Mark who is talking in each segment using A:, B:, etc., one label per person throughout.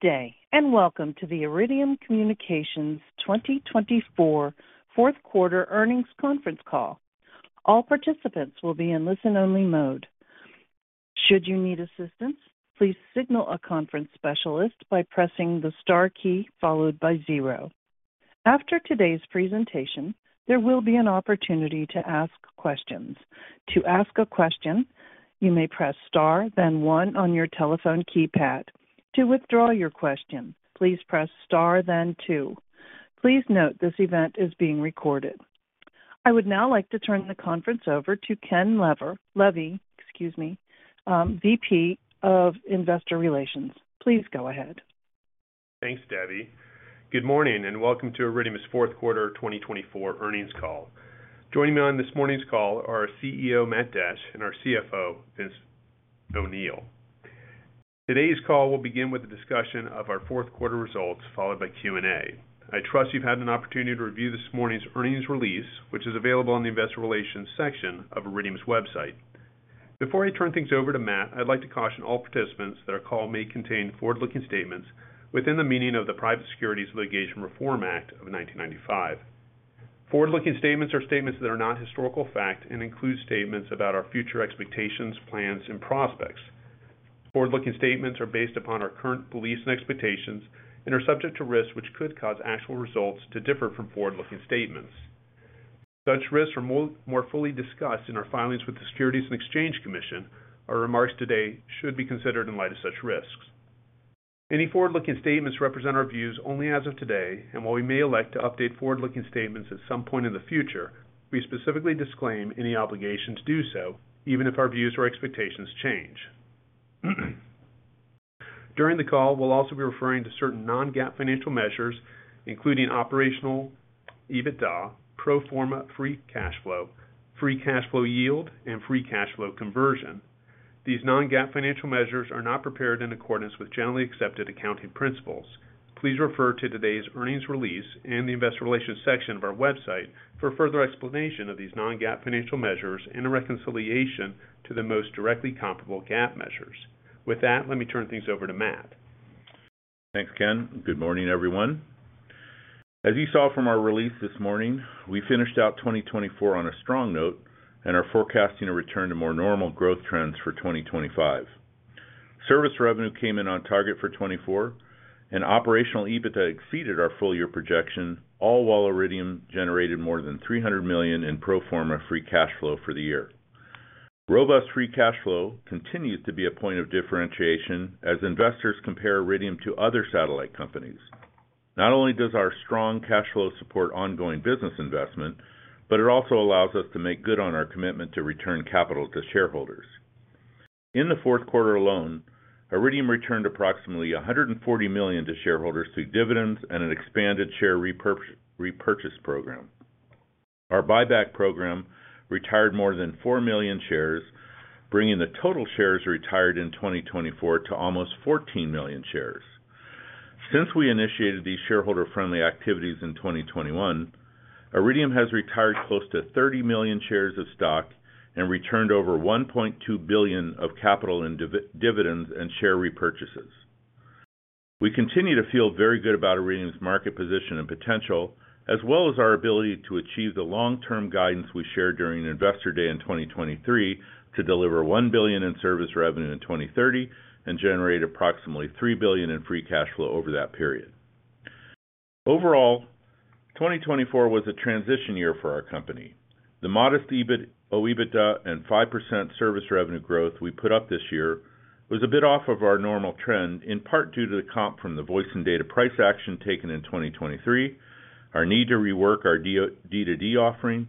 A: Good day and welcome to the Iridium Communications 2024 Fourth Quarter Earnings Conference Call. All participants will be in listen-only mode. Should you need assistance, please signal a conference specialist by pressing the star key followed by zero. After today's presentation, there will be an opportunity to ask questions. To ask a question, you may press star, then one on your telephone keypad. To withdraw your question, please press star, then two. Please note this event is being recorded. I would now like to turn the conference over to Ken Levy, excuse me, VP of Investor Relations. Please go ahead.
B: Thanks, Debbie. Good morning and welcome to Iridium's Fourth Quarter 2024 Earnings Call. Joining me on this morning's call are CEO Matt Desch and our CFO, Vince O'Neill. Today's call will begin with a discussion of our fourth quarter results followed by Q&A. I trust you've had an opportunity to review this morning's earnings release, which is available in the Investor Relations section of Iridium's website. Before I turn things over to Matt, I'd like to caution all participants that our call may contain forward-looking statements within the meaning of the Private Securities Litigation Reform Act of 1995. Forward-looking statements are statements that are not historical fact and include statements about our future expectations, plans, and prospects. Forward-looking statements are based upon our current beliefs and expectations and are subject to risks which could cause actual results to differ from forward-looking statements. Such risks are more fully discussed in our filings with the Securities and Exchange Commission. Our remarks today should be considered in light of such risks. Any forward-looking statements represent our views only as of today, and while we may elect to update forward-looking statements at some point in the future, we specifically disclaim any obligation to do so, even if our views or expectations change. During the call, we'll also be referring to certain non-GAAP financial measures, including operational EBITDA, pro forma free cash flow, free cash flow yield, and free cash flow conversion. These non-GAAP financial measures are not prepared in accordance with generally accepted accounting principles. Please refer to today's earnings release and the Investor Relations section of our website for further explanation of these non-GAAP financial measures and a reconciliation to the most directly comparable GAAP measures. With that, let me turn things over to Matt.
C: Thanks, Ken. Good morning, everyone. As you saw from our release this morning, we finished out 2024 on a strong note and are forecasting a return to more normal growth trends for 2025. Service revenue came in on target for 2024, and operational EBITDA exceeded our full-year projection, all while Iridium generated more than $300 million in pro forma free cash flow for the year. Robust free cash flow continues to be a point of differentiation as investors compare Iridium to other satellite companies. Not only does our strong cash flow support ongoing business investment, but it also allows us to make good on our commitment to return capital to shareholders. In the fourth quarter alone, Iridium returned approximately $140 million to shareholders through dividends and an expanded share repurchase program. Our buyback program retired more than 4 million shares, bringing the total shares retired in 2024 to almost 14 million shares. Since we initiated these shareholder-friendly activities in 2021, Iridium has retired close to 30 million shares of stock and returned over $1.2 billion of capital in dividends and share repurchases. We continue to feel very good about Iridium's market position and potential, as well as our ability to achieve the long-term guidance we shared during Investor Day in 2023 to deliver $1 billion in service revenue in 2030 and generate approximately $3 billion in free cash flow over that period. Overall, 2024 was a transition year for our company. The modest EBITDA and 5% service revenue growth we put up this year was a bit off of our normal trend, in part due to the comps from the voice and data price action taken in 2023, our need to rework our D2D offering,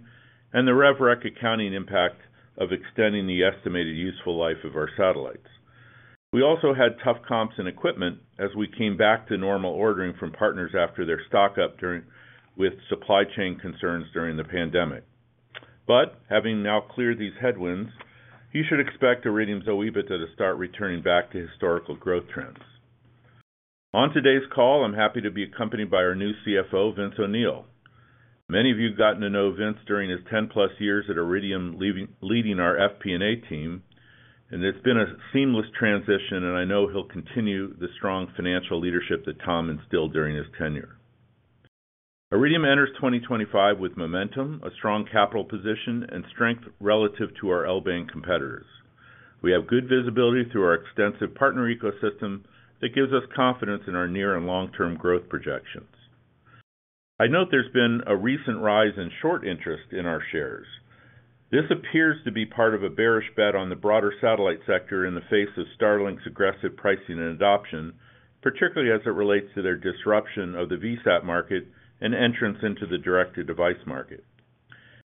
C: and the retroactive accounting impact of extending the estimated useful life of our satellites. We also had tough comps in equipment as we came back to normal ordering from partners after their stocking up with supply chain concerns during the pandemic. But having now cleared these headwinds, you should expect Iridium's OEBITDA to start returning back to historical growth trends. On today's call, I'm happy to be accompanied by our new CFO, Vince O’Neill. Many of you got to know Vince during his 10+ years at Iridium, leading our FP&A team, and it's been a seamless transition, and I know he'll continue the strong financial leadership that Tom instilled during his tenure. Iridium enters 2025 with momentum, a strong capital position, and strength relative to our L-band competitors. We have good visibility through our extensive partner ecosystem that gives us confidence in our near and long-term growth projections. I note there's been a recent rise in short interest in our shares. This appears to be part of a bearish bet on the broader satellite sector in the face of Starlink's aggressive pricing and adoption, particularly as it relates to their disruption of the VSAT market and entrance into the direct-to-device market.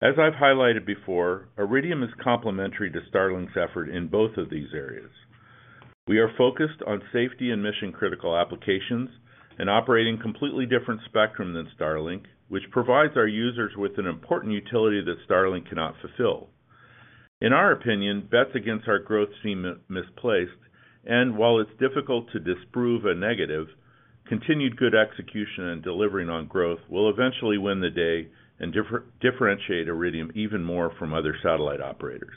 C: As I've highlighted before, Iridium is complementary to Starlink's effort in both of these areas. We are focused on safety and mission-critical applications and operating a completely different spectrum than Starlink, which provides our users with an important utility that Starlink cannot fulfill. In our opinion, bets against our growth seem misplaced, and while it's difficult to disprove a negative, continued good execution and delivering on growth will eventually win the day and differentiate Iridium even more from other satellite operators.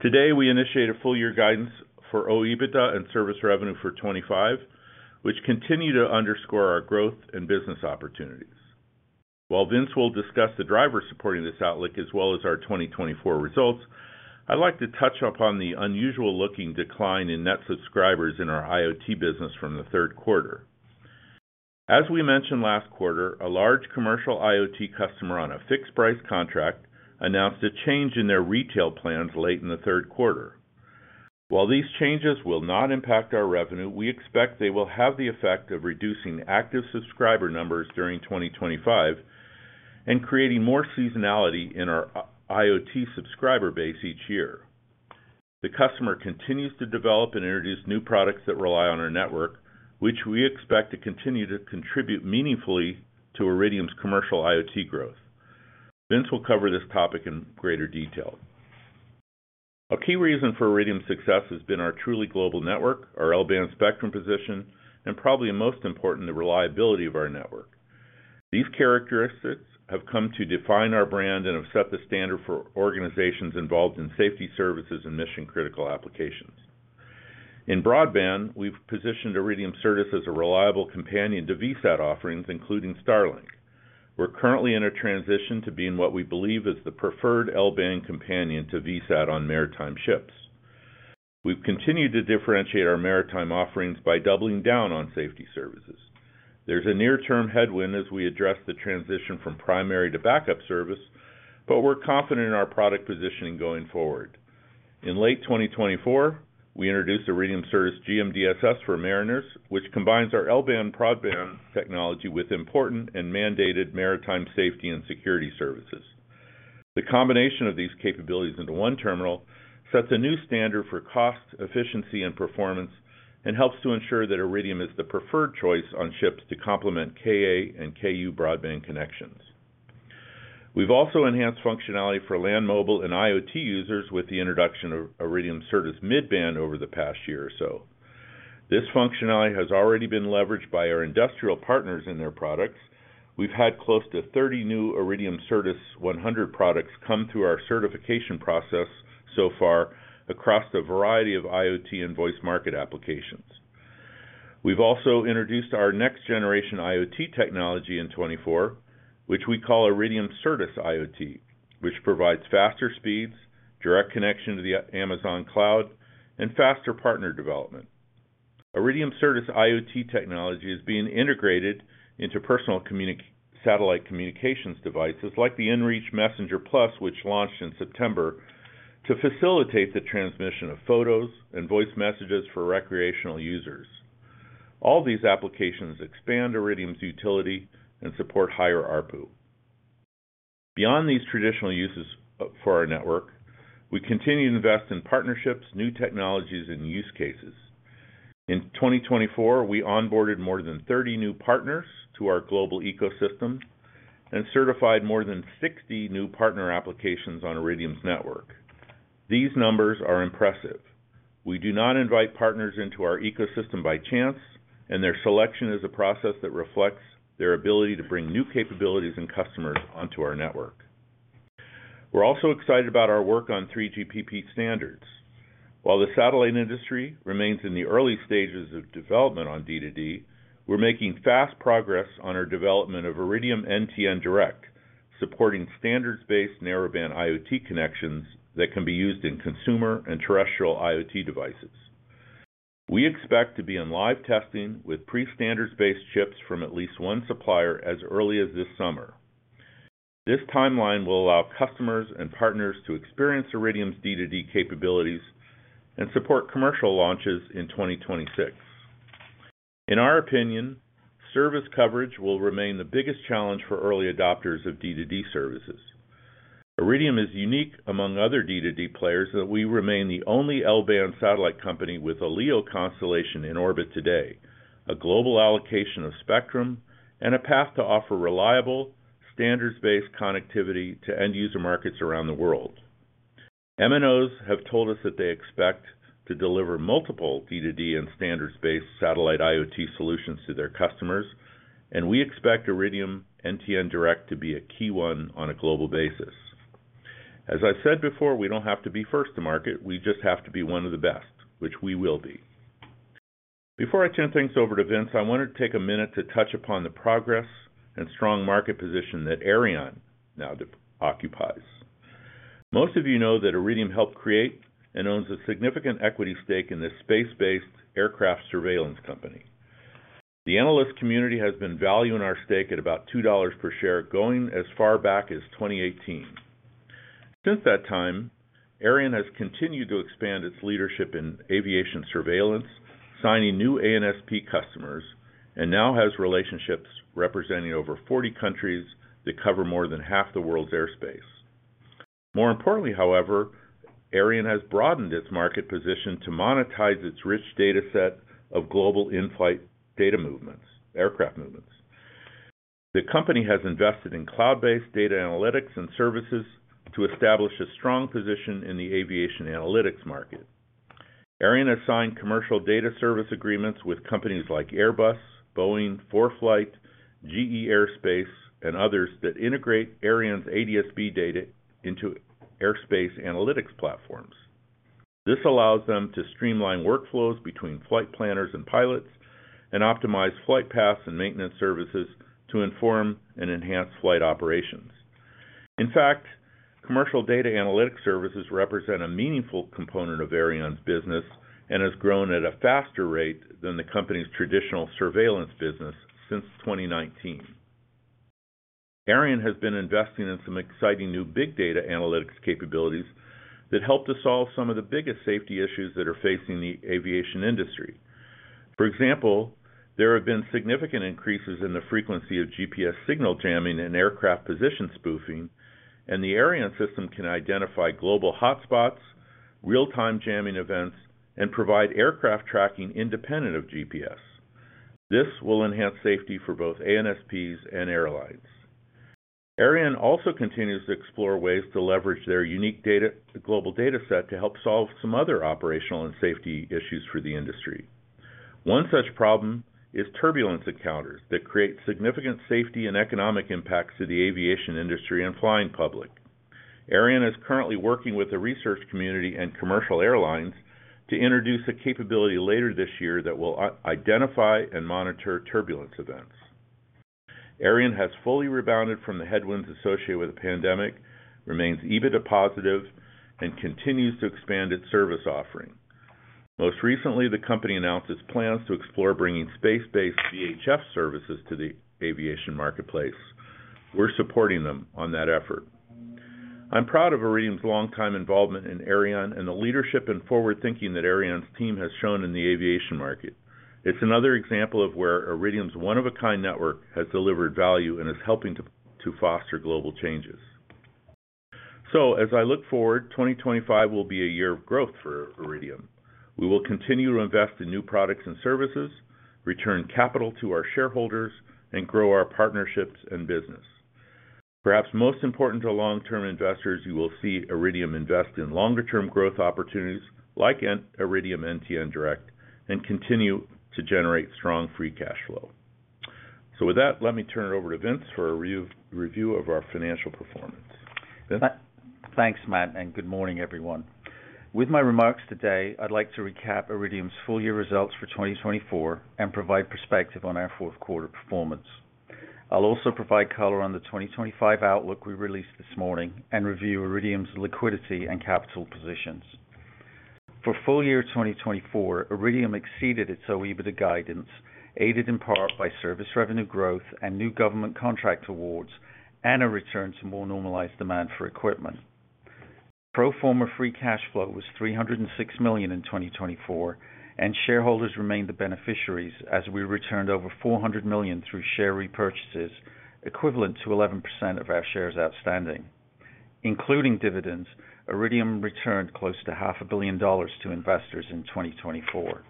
C: Today, we initiate a full-year guidance for OEBITDA and service revenue for 2025, which continue to underscore our growth and business opportunities. While Vince will discuss the drivers supporting this outlook as well as our 2024 results, I'd like to touch upon the unusual-looking decline in net subscribers in our IoT business from the third quarter. As we mentioned last quarter, a large commercial IoT customer on a fixed-price contract announced a change in their retail plans late in the third quarter. While these changes will not impact our revenue, we expect they will have the effect of reducing active subscriber numbers during 2025 and creating more seasonality in our IoT subscriber base each year. The customer continues to develop and introduce new products that rely on our network, which we expect to continue to contribute meaningfully to Iridium's commercial IoT growth. Vince will cover this topic in greater detail. A key reason for Iridium's success has been our truly global network, our L-band spectrum position, and probably most important, the reliability of our network. These characteristics have come to define our brand and have set the standard for organizations involved in safety services and mission-critical applications. In broadband, we've positioned Iridium Service as a reliable companion to VSAT offerings, including Starlink. We're currently in a transition to being what we believe is the preferred L-band companion to VSAT on maritime ships. We've continued to differentiate our maritime offerings by doubling down on safety services. There's a near-term headwind as we address the transition from primary to backup service, but we're confident in our product positioning going forward. In late 2024, we introduced Iridium Certus GMDSS for mariners, which combines our L-band broadband technology with important and mandated maritime safety and security services. The combination of these capabilities into one terminal sets a new standard for cost, efficiency, and performance, and helps to ensure that Iridium is the preferred choice on ships to complement Ka and Ku broadband connections. We've also enhanced functionality for land, mobile, and IoT users with the introduction of Iridium Certus Midband over the past year or so. This functionality has already been leveraged by our industrial partners in their products. We've had close to 30 new Iridium Certus 100 products come through our certification process so far across the variety of IoT and voice market applications. We've also introduced our next-generation IoT technology in 2024, which we call Iridium Certus IoT, which provides faster speeds, direct connection to the Amazon Cloud, and faster partner development. Iridium Certus IoT technology is being integrated into personal satellite communications devices like the inReach Messenger Plus, which launched in September to facilitate the transmission of photos and voice messages for recreational users. All these applications expand Iridium's utility and support higher RPU. Beyond these traditional uses for our network, we continue to invest in partnerships, new technologies, and use cases. In 2024, we onboarded more than 30 new partners to our global ecosystem and certified more than 60 new partner applications on Iridium's network. These numbers are impressive. We do not invite partners into our ecosystem by chance, and their selection is a process that reflects their ability to bring new capabilities and customers onto our network. We're also excited about our work on 3GPP standards. While the satellite industry remains in the early stages of development on D2D, we're making fast progress on our development of Iridium NTN Direct, supporting standards-based narrowband IoT connections that can be used in consumer and terrestrial IoT devices. We expect to be in live testing with pre-standards-based chips from at least one supplier as early as this summer. This timeline will allow customers and partners to experience Iridium's D2D capabilities and support commercial launches in 2026. In our opinion, service coverage will remain the biggest challenge for early adopters of D2D services. Iridium is unique among other D2D players that we remain the only L-band satellite company with a LEO constellation in orbit today, a global allocation of spectrum, and a path to offer reliable standards-based connectivity to end-user markets around the world. MNOs have told us that they expect to deliver multiple D2D and standards-based satellite IoT solutions to their customers, and we expect Iridium NTN Direct to be a key one on a global basis. As I said before, we don't have to be first to market. We just have to be one of the best, which we will be. Before I turn things over to Vince, I wanted to take a minute to touch upon the progress and strong market position that Aireon now occupies. Most of you know that Iridium helped create and owns a significant equity stake in this space-based aircraft surveillance company. The analyst community has been valuing our stake at about $2 per share, going as far back as 2018. Since that time, Aireon has continued to expand its leadership in aviation surveillance, signing new ANSP customers, and now has relationships representing over 40 countries that cover more than half the world's airspace. More importantly, however, Aireon has broadened its market position to monetize its rich data set of global in-flight aircraft movements. The company has invested in cloud-based data analytics and services to establish a strong position in the aviation analytics market. Aireon has signed commercial data service agreements with companies like Airbus, Boeing, ForeFlight, GE Aerospace, and others that integrate Aireon's ADS-B data into airspace analytics platforms. This allows them to streamline workflows between flight planners and pilots and optimize flight paths and maintenance services to inform and enhance flight operations. In fact, commercial data analytics services represent a meaningful component of Aireon's business and has grown at a faster rate than the company's traditional surveillance business since 2019. Aireon has been investing in some exciting new big data analytics capabilities that help to solve some of the biggest safety issues that are facing the aviation industry. For example, there have been significant increases in the frequency of GPS signal jamming and aircraft position spoofing, and the Aireon system can identify global hotspots, real-time jamming events, and provide aircraft tracking independent of GPS. This will enhance safety for both ANSPs and airlines. Aireon also continues to explore ways to leverage their unique global data set to help solve some other operational and safety issues for the industry. One such problem is turbulence encounters that create significant safety and economic impacts to the aviation industry and flying public. Aireon is currently working with the research community and commercial airlines to introduce a capability later this year that will identify and monitor turbulence events. Aireon has fully rebounded from the headwinds associated with the pandemic, remains EBITDA positive, and continues to expand its service offering. Most recently, the company announced its plans to explore bringing space-based VHF services to the aviation marketplace. We're supporting them on that effort. I'm proud of Iridium's long-time involvement in Aireon and the leadership and forward-thinking that Aireon's team has shown in the aviation market. It's another example of where Iridium's one-of-a-kind network has delivered value and is helping to foster global changes. So, as I look forward, 2025 will be a year of growth for Iridium. We will continue to invest in new products and services, return capital to our shareholders, and grow our partnerships and business. Perhaps most important to long-term investors, you will see Iridium invest in longer-term growth opportunities like Iridium NTN Direct and continue to generate strong free cash flow. So, with that, let me turn it over to Vince for a review of our financial performance.
D: Thanks, Matt, and good morning, everyone. With my remarks today, I'd like to recap Iridium's full-year results for 2024 and provide perspective on our fourth-quarter performance. I'll also provide color on the 2025 outlook we released this morning and review Iridium's liquidity and capital positions. For full-year 2024, Iridium exceeded its OEBITDA guidance, aided in part by service revenue growth and new government contract awards and a return to more normalized demand for equipment. Pro forma free cash flow was $306 million in 2024, and shareholders remained the beneficiaries as we returned over $400 million through share repurchases, equivalent to 11% of our shares outstanding. Including dividends, Iridium returned close to $500 million to investors in 2024.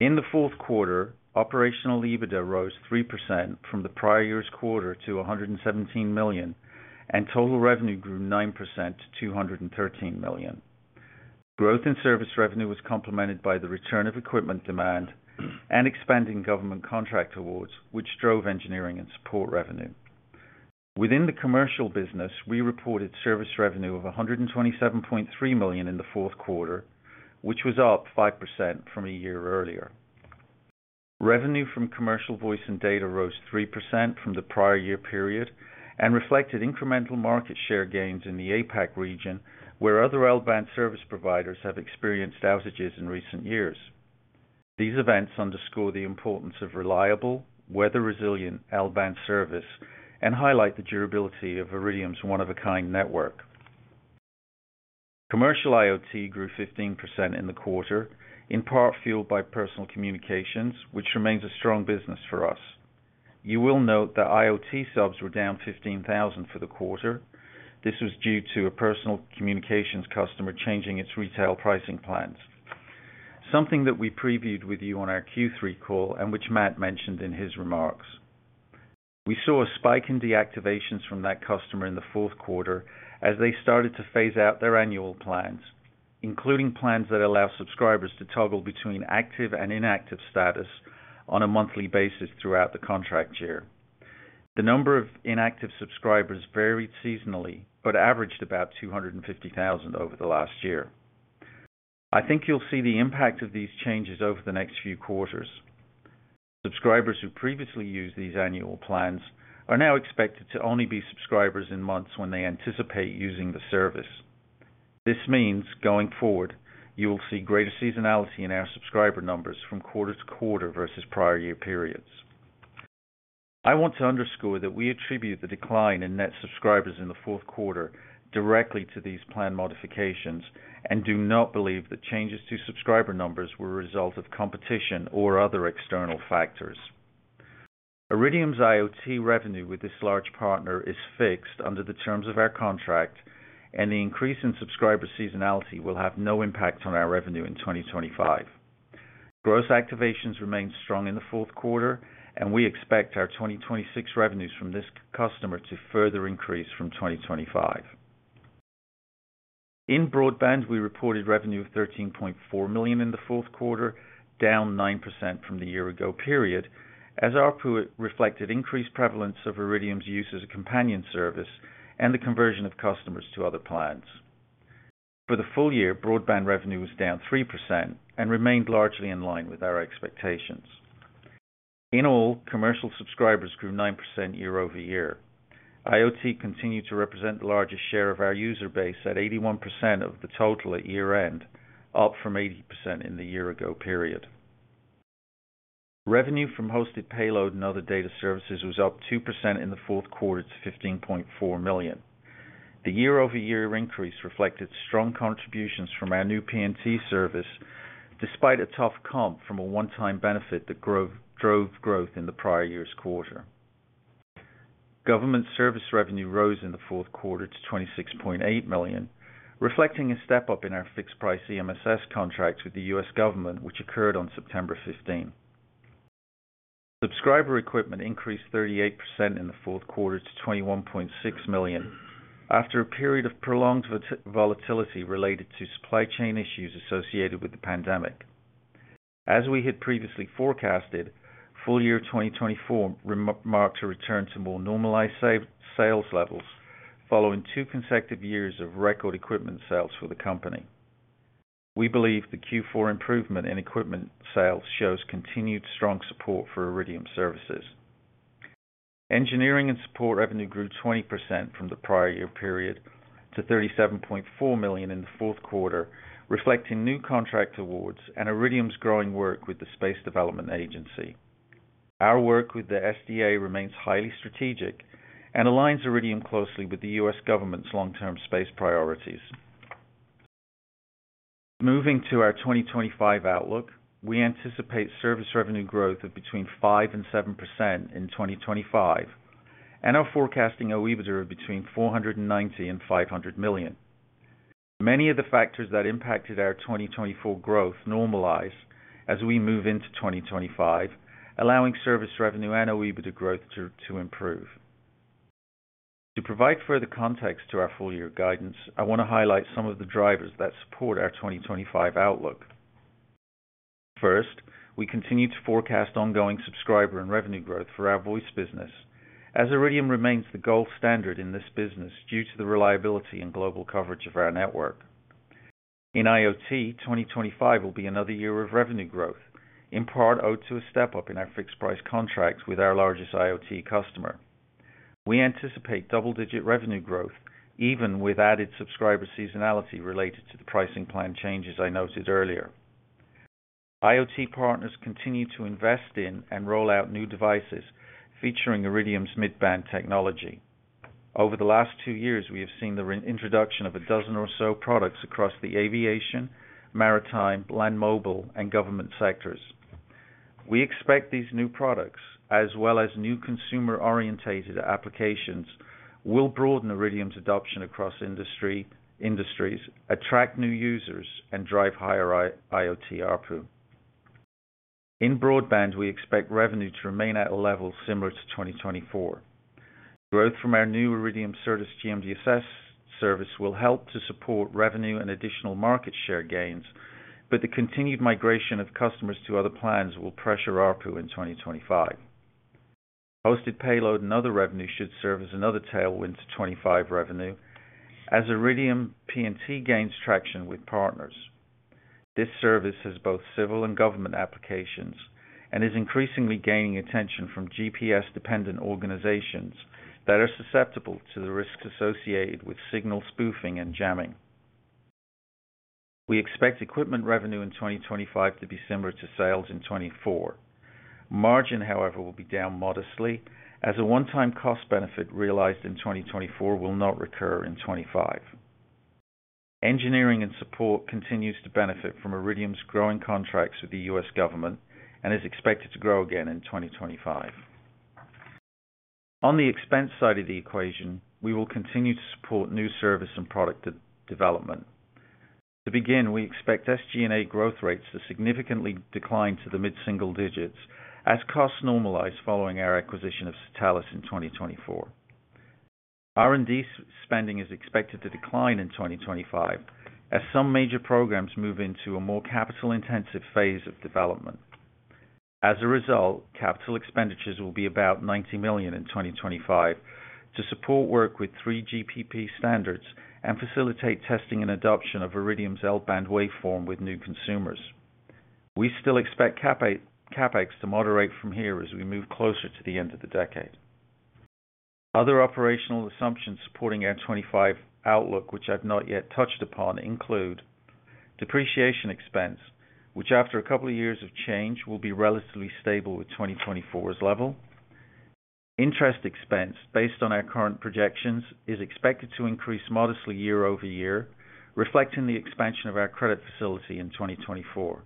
D: In the fourth quarter, operational EBITDA rose 3% from the prior year's quarter to $117 million, and total revenue grew 9% to $213 million. Growth in service revenue was complemented by the return of equipment demand and expanding government contract awards, which drove engineering and support revenue. Within the commercial business, we reported service revenue of $127.3 million in the fourth quarter, which was up 5% from a year earlier. Revenue from commercial voice and data rose 3% from the prior year period and reflected incremental market share gains in the APAC region, where other L-band service providers have experienced outages in recent years. These events underscore the importance of reliable, weather-resilient L-band service and highlight the durability of Iridium's one-of-a-kind network. Commercial IoT grew 15% in the quarter, in part fueled by personal communications, which remains a strong business for us. You will note that IoT subs were down 15,000 for the quarter. This was due to a personal communications customer changing its retail pricing plans, something that we previewed with you on our Q3 call and which Matt mentioned in his remarks. We saw a spike in deactivations from that customer in the fourth quarter as they started to phase out their annual plans, including plans that allow subscribers to toggle between active and inactive status on a monthly basis throughout the contract year. The number of inactive subscribers varied seasonally but averaged about 250,000 over the last year. I think you'll see the impact of these changes over the next few quarters. Subscribers who previously used these annual plans are now expected to only be subscribers in months when they anticipate using the service. This means going forward, you will see greater seasonality in our subscriber numbers from quarter to quarter versus prior year periods. I want to underscore that we attribute the decline in net subscribers in the fourth quarter directly to these plan modifications and do not believe that changes to subscriber numbers were a result of competition or other external factors. Iridium's IoT revenue with this large partner is fixed under the terms of our contract, and the increase in subscriber seasonality will have no impact on our revenue in 2025. Gross activations remained strong in the fourth quarter, and we expect our 2026 revenues from this customer to further increase from 2025. In broadband, we reported revenue of $13.4 million in the fourth quarter, down 9% from the year-ago period, as our report reflected increased prevalence of Iridium's use as a companion service and the conversion of customers to other plans. For the full year, broadband revenue was down 3% and remained largely in line with our expectations. In all, commercial subscribers grew 9% year-over-year. IoT continued to represent the largest share of our user base at 81% of the total at year-end, up from 80% in the year-ago period. Revenue from hosted payload and other data services was up 2% in the fourth quarter to $15.4 million. The year-over-year increase reflected strong contributions from our new PNT service, despite a tough comp from a one-time benefit that drove growth in the prior year's quarter. Government service revenue rose in the fourth quarter to $26.8 million, reflecting a step up in our fixed-price EMSS contracts with the U.S. government, which occurred on September 15. Subscriber equipment increased 38% in the fourth quarter to $21.6 million after a period of prolonged volatility related to supply chain issues associated with the pandemic. As we had previously forecasted, full-year 2024 marked a return to more normalized sales levels following two consecutive years of record equipment sales for the company. We believe the Q4 improvement in equipment sales shows continued strong support for Iridium services. Engineering and support revenue grew 20% from the prior year period to $37.4 million in the fourth quarter, reflecting new contract awards and Iridium's growing work with the Space Development Agency. Our work with the SDA remains highly strategic and aligns Iridium closely with the U.S. government's long-term space priorities. Moving to our 2025 outlook, we anticipate service revenue growth of between 5% and 7% in 2025, and we're forecasting OEBITDA of between $490 and $500 million. Many of the factors that impacted our 2024 growth normalize as we move into 2025, allowing service revenue and OEBITDA growth to improve. To provide further context to our full-year guidance, I want to highlight some of the drivers that support our 2025 outlook. First, we continue to forecast ongoing subscriber and revenue growth for our voice business, as Iridium remains the gold standard in this business due to the reliability and global coverage of our network. In IoT, 2025 will be another year of revenue growth, in part owed to a step up in our fixed-price contracts with our largest IoT customer. We anticipate double-digit revenue growth, even with added subscriber seasonality related to the pricing plan changes I noted earlier. IoT partners continue to invest in and roll out new devices featuring Iridium's mid-band technology. Over the last two years, we have seen the introduction of a dozen or so products across the aviation, maritime, land mobile, and government sectors. We expect these new products, as well as new consumer-oriented applications, will broaden Iridium's adoption across industries, attract new users, and drive higher IoT output. In broadband, we expect revenue to remain at a level similar to 2024. Growth from our new Iridium Certus GMDSS service will help to support revenue and additional market share gains, but the continued migration of customers to other plans will pressure output in 2025. Hosted payload and other revenue should serve as another tailwind to 2025 revenue, as Iridium PNT gains traction with partners. This service has both civil and government applications and is increasingly gaining attention from GPS-dependent organizations that are susceptible to the risks associated with signal spoofing and jamming. We expect equipment revenue in 2025 to be similar to sales in 2024. Margin, however, will be down modestly, as a one-time cost benefit realized in 2024 will not recur in 2025. Engineering and support continues to benefit from Iridium's growing contracts with the U.S. government and is expected to grow again in 2025. On the expense side of the equation, we will continue to support new service and product development. To begin, we expect SG&A growth rates to significantly decline to the mid-single digits as costs normalize following our acquisition of Satelles in 2024. R&D spending is expected to decline in 2025 as some major programs move into a more capital-intensive phase of development. As a result, capital expenditures will be about $90 million in 2025 to support work with 3GPP standards and facilitate testing and adoption of Iridium's L-band waveform with new consumers. We still expect CapEx to moderate from here as we move closer to the end of the decade. Other operational assumptions supporting our 2025 outlook, which I've not yet touched upon, include depreciation expense, which after a couple of years of change will be relatively stable at 2024's level. Interest expense, based on our current projections, is expected to increase modestly year-over-year, reflecting the expansion of our credit facility in 2024.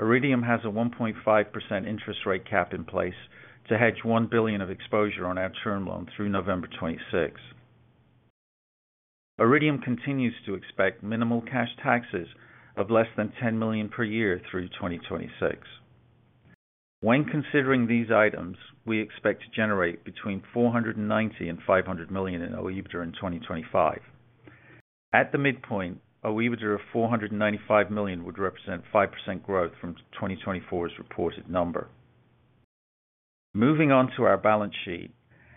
D: Iridium has a 1.5% interest rate cap in place to hedge $1 billion of exposure on our term loan through November 26. Iridium continues to expect minimal cash taxes of less than $10 million per year through 2026. When considering these items, we expect to generate between $490 and $500 million in OEBITDA in 2025. At the midpoint, OEBITDA of $495 million would represent 5% growth from 2024's reported number. Moving on to our balance sheet,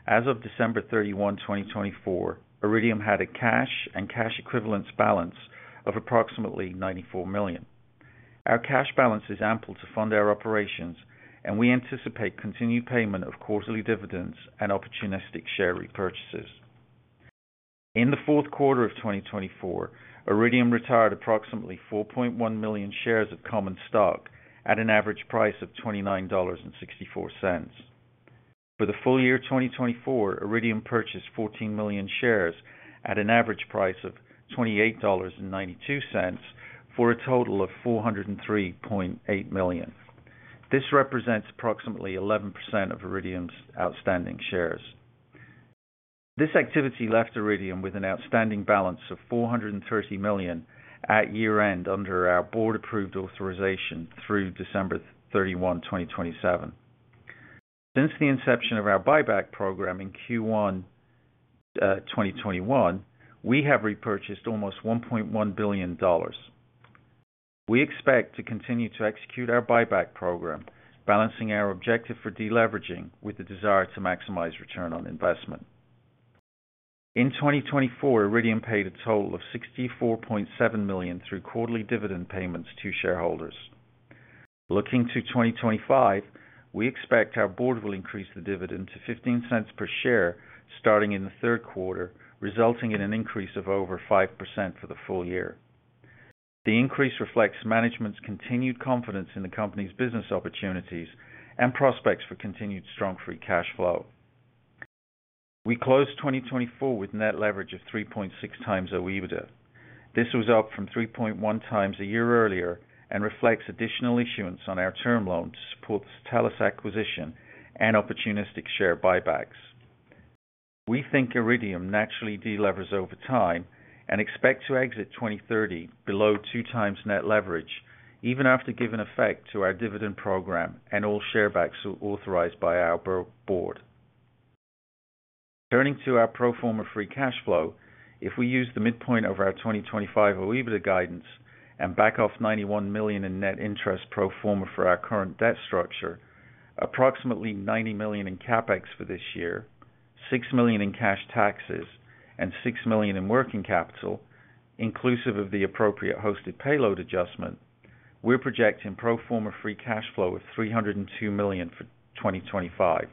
D: as of December 31, 2024, Iridium had a cash and cash equivalents balance of approximately $94 million. Our cash balance is ample to fund our operations, and we anticipate continued payment of quarterly dividends and opportunistic share repurchases. In the fourth quarter of 2024, Iridium retired approximately 4.1 million shares of common stock at an average price of $29.64. For the full year 2024, Iridium purchased 14 million shares at an average price of $28.92 for a total of $403.8 million. This represents approximately 11% of Iridium's outstanding shares. This activity left Iridium with an outstanding balance of $430 million at year-end under our board-approved authorization through December 31, 2027. Since the inception of our buyback program in Q1 2021, we have repurchased almost $1.1 billion. We expect to continue to execute our buyback program, balancing our objective for deleveraging with the desire to maximize return on investment. In 2024, Iridium paid a total of $64.7 million through quarterly dividend payments to shareholders. Looking to 2025, we expect our board will increase the dividend to $0.15 per share starting in the third quarter, resulting in an increase of over 5% for the full year. The increase reflects management's continued confidence in the company's business opportunities and prospects for continued strong free cash flow. We closed 2024 with net leverage of 3.6 times OEBITDA. This was up from 3.1 times a year earlier and reflects additional issuance on our term loan to support the Satelles acquisition and opportunistic share buybacks. We think Iridium naturally delivers over time and expect to exit 2030 below two times net leverage, even after given effect to our dividend program and all share buybacks authorized by our board. Turning to our pro forma free cash flow, if we use the midpoint of our 2025 OEBITDA guidance and back off $91 million in net interest pro forma for our current debt structure, approximately $90 million in CapEx for this year, $6 million in cash taxes, and $6 million in working capital, inclusive of the appropriate hosted payload adjustment, we're projecting pro forma free cash flow of $302 million for 2025.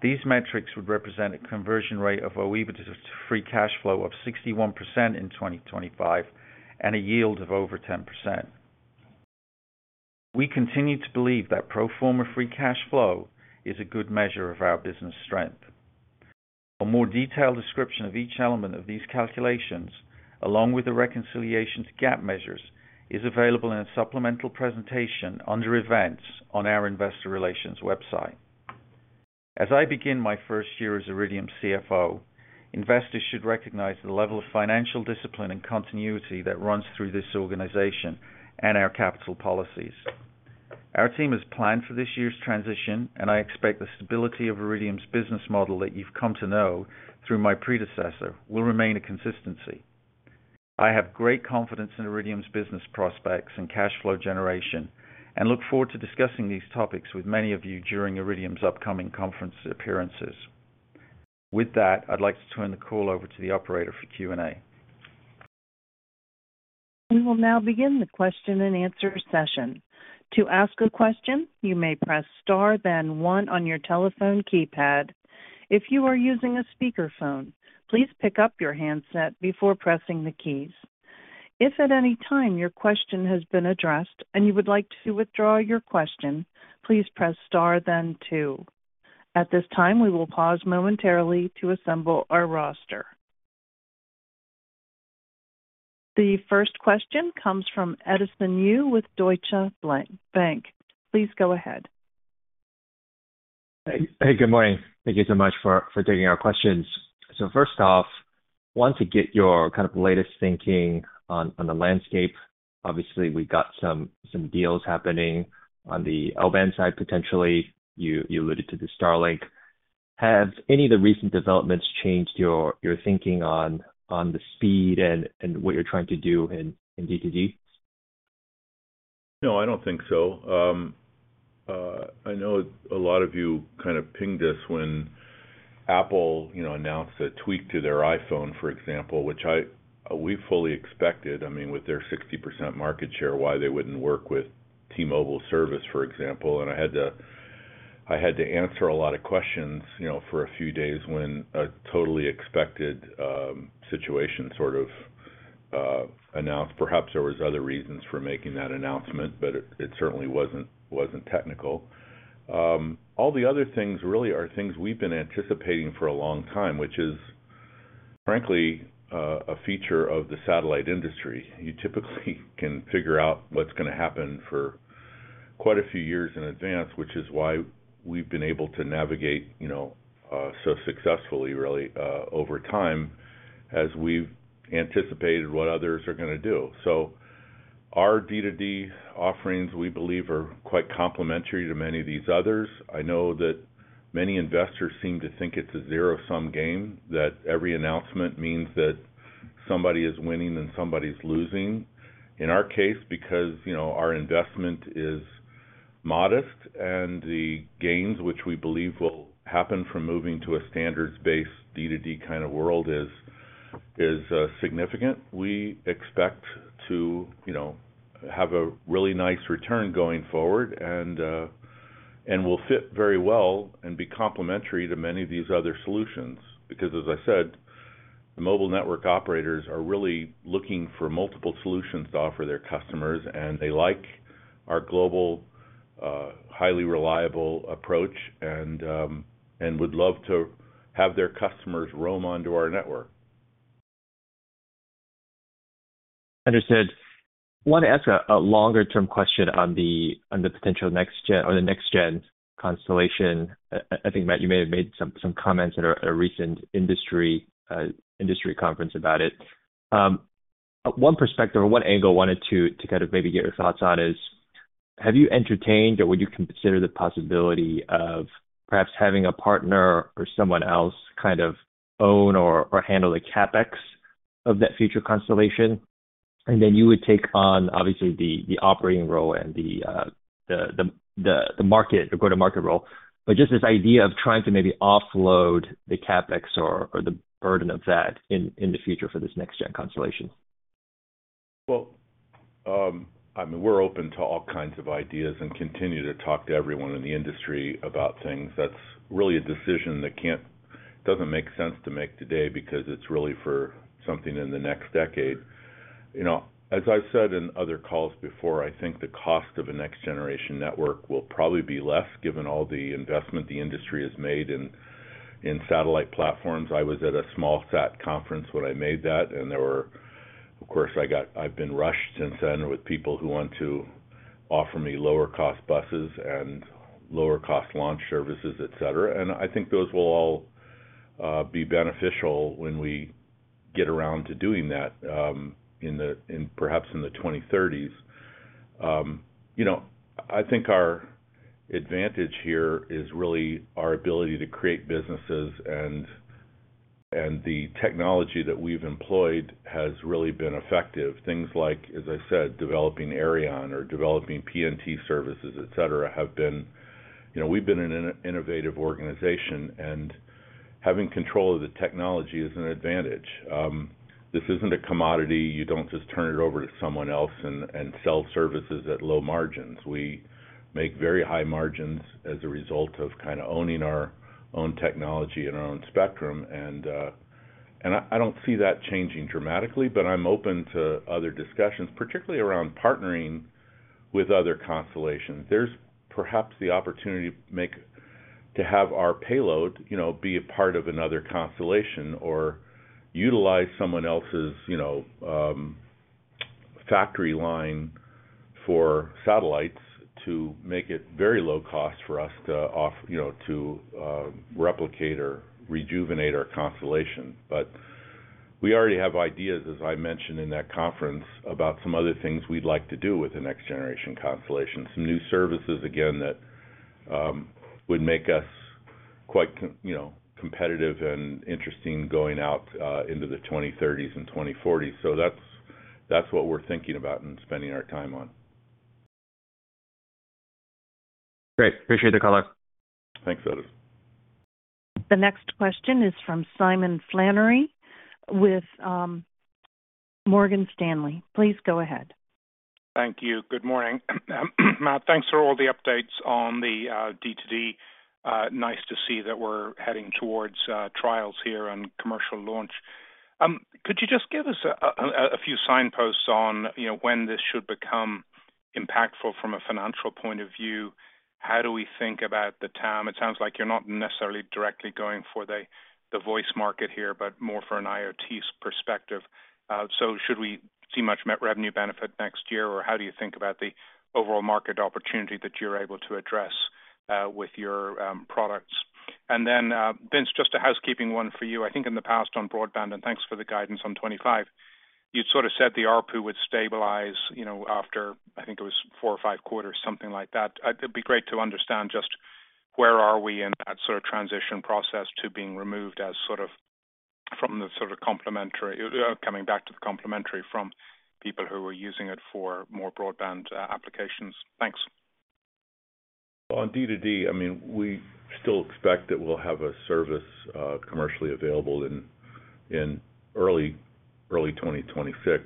D: These metrics would represent a conversion rate of OEBITDA to free cash flow of 61% in 2025 and a yield of over 10%. We continue to believe that pro forma free cash flow is a good measure of our business strength. A more detailed description of each element of these calculations, along with the reconciliation to GAAP measures, is available in a supplemental presentation under Events on our Investor Relations website. As I begin my first year as Iridium CFO, investors should recognize the level of financial discipline and continuity that runs through this organization and our capital policies. Our team has planned for this year's transition, and I expect the stability of Iridium's business model that you've come to know through my predecessor will remain a consistency. I have great confidence in Iridium's business prospects and cash flow generation and look forward to discussing these topics with many of you during Iridium's upcoming conference appearances. With that, I'd like to turn the call over to the operator for Q&A.
A: We will now begin the question and answer session. To ask a question, you may press star, then one on your telephone keypad. If you are using a speakerphone, please pick up your handset before pressing the keys. If at any time your question has been addressed and you would like to withdraw your question, please press star, then two. At this time, we will pause momentarily to assemble our roster. The first question comes from Edison Yu with Deutsche Bank. Please go ahead.
E: Hey, good morning. Thank you so much for taking our questions. So first off, I want to get your kind of latest thinking on the landscape. Obviously, we've got some deals happening on the L-band side, potentially. You alluded to the Starlink. Have any of the recent developments changed your thinking on the speed and what you're trying to do in D2D?
C: No, I don't think so. I know a lot of you kind of pinged us when Apple announced a tweak to their iPhone, for example, which we fully expected. I mean, with their 60% market share, why they wouldn't work with T-Mobile service, for example, and I had to answer a lot of questions for a few days when a totally expected situation sort of announced. Perhaps there were other reasons for making that announcement, but it certainly wasn't technical. All the other things really are things we've been anticipating for a long time, which is, frankly, a feature of the satellite industry. You typically can figure out what's going to happen for quite a few years in advance, which is why we've been able to navigate so successfully, really, over time as we've anticipated what others are going to do, so our D2D offerings, we believe, are quite complementary to many of these others. I know that many investors seem to think it's a zero-sum game, that every announcement means that somebody is winning and somebody is losing. In our case, because our investment is modest and the gains, which we believe will happen from moving to a standards-based D2D kind of world, is significant, we expect to have a really nice return going forward and will fit very well and be complementary to many of these other solutions. Because, as I said, the mobile network operators are really looking for multiple solutions to offer their customers, and they like our global, highly reliable approach and would love to have their customers roam onto our network.
E: Understood. I want to ask a longer-term question on the potential next-gen or the next-gen constellation. I think, Matt, you may have made some comments at a recent industry conference about it. One perspective or one angle I wanted to kind of maybe get your thoughts on is, have you entertained or would you consider the possibility of perhaps having a partner or someone else kind of own or handle the CapEx of that future constellation, and then you would take on, obviously, the operating role and the market or go-to-market role, but just this idea of trying to maybe offload the CapEx or the burden of that in the future for this next-gen constellation?
C: I mean, we're open to all kinds of ideas and continue to talk to everyone in the industry about things. That's really a decision that doesn't make sense to make today because it's really for something in the next decade. As I've said in other calls before, I think the cost of a next-generation network will probably be less, given all the investment the industry has made in satellite platforms. I was at a small SAT conference when I made that, and there were, of course, I've been rushed since then with people who want to offer me lower-cost buses and lower-cost launch services, etc. I think those will all be beneficial when we get around to doing that perhaps in the 2030s. I think our advantage here is really our ability to create businesses, and the technology that we've employed has really been effective. Things like, as I said, developing Aireon or developing PNT services, etc., have been an innovative organization, and having control of the technology is an advantage. This isn't a commodity. You don't just turn it over to someone else and sell services at low margins. We make very high margins as a result of kind of owning our own technology and our own spectrum. And I don't see that changing dramatically, but I'm open to other discussions, particularly around partnering with other constellations. There's perhaps the opportunity to have our payload be a part of another constellation or utilize someone else's factory line for satellites to make it very low cost for us to replicate or rejuvenate our constellation. But we already have ideas, as I mentioned in that conference, about some other things we'd like to do with the next-generation constellation, some new services, again, that would make us quite competitive and interesting going out into the 2030s and 2040s. So that's what we're thinking about and spending our time on.
E: Great. Appreciate the call, color.
C: Thanks, Edison.
A: The next question is from Simon Flannery with Morgan Stanley. Please go ahead.
F: Thank you. Good morning. Thanks for all the updates on the D2D. Nice to see that we're heading towards trials here and commercial launch. Could you just give us a few signposts on when this should become impactful from a financial point of view? How do we think about the TAM? It sounds like you're not necessarily directly going for the voice market here, but more for an IoT perspective. So should we see much net revenue benefit next year, or how do you think about the overall market opportunity that you're able to address with your products? And then, Vince, just a housekeeping one for you. I think in the past on broadband, and thanks for the guidance on 25, you'd sort of said the ARPU would stabilize after, I think it was four or five quarters, something like that. It'd be great to understand just where are we in that sort of transition process to being removed as sort of from the sort of complementary, coming back to the complementary from people who are using it for more broadband applications. Thanks.
C: Well, on D2D, I mean, we still expect that we'll have a service commercially available in early 2026.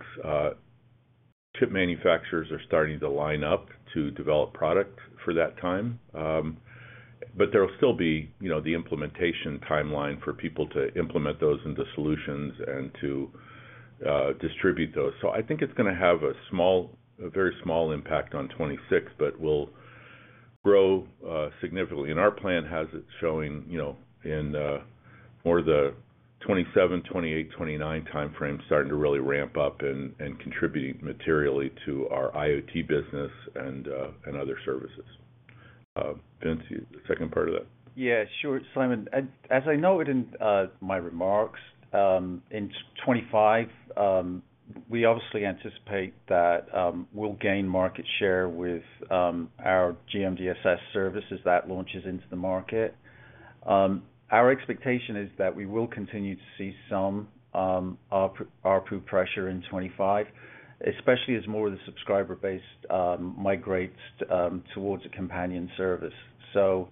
C: Chip manufacturers are starting to line up to develop product for that time, but there will still be the implementation timeline for people to implement those into solutions and to distribute those. So I think it's going to have a very small impact on 26, but will grow significantly. Our plan has it showing in more of the 2027, 2028, 2029 timeframe starting to really ramp up and contribute materially to our IoT business and other services. Vince, the second part of that.
D: Yeah, sure. Simon, as I noted in my remarks, in 2025, we obviously anticipate that we'll gain market share with our GMDSS services that launches into the market. Our expectation is that we will continue to see some ARPU pressure in 2025, especially as more of the subscriber base migrates towards a companion service. So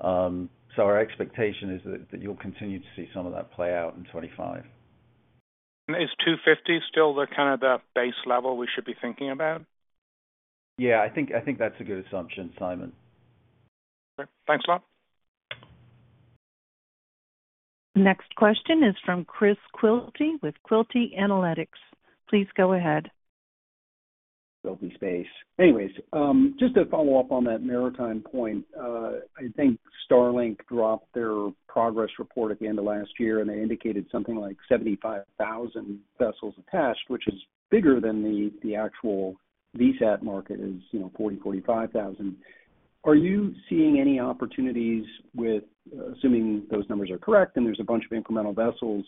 D: our expectation is that you'll continue to see some of that play out in 2025.
F: And is $250 still kind of that base level we should be thinking about?
D: Yeah, I think that's a good assumption, Simon.
F: Okay. Thanks, Matt.
A: Next question is from Chris Quilty with Quilty Analytics. Please go ahead.
G: There'll be space. Anyways, just to follow up on that maritime point, I think Starlink dropped their progress report at the end of last year, and they indicated something like 75,000 vessels attached, which is bigger than the actual VSAT market is 40,000-45,000. Are you seeing any opportunities with, assuming those numbers are correct, and there's a bunch of incremental vessels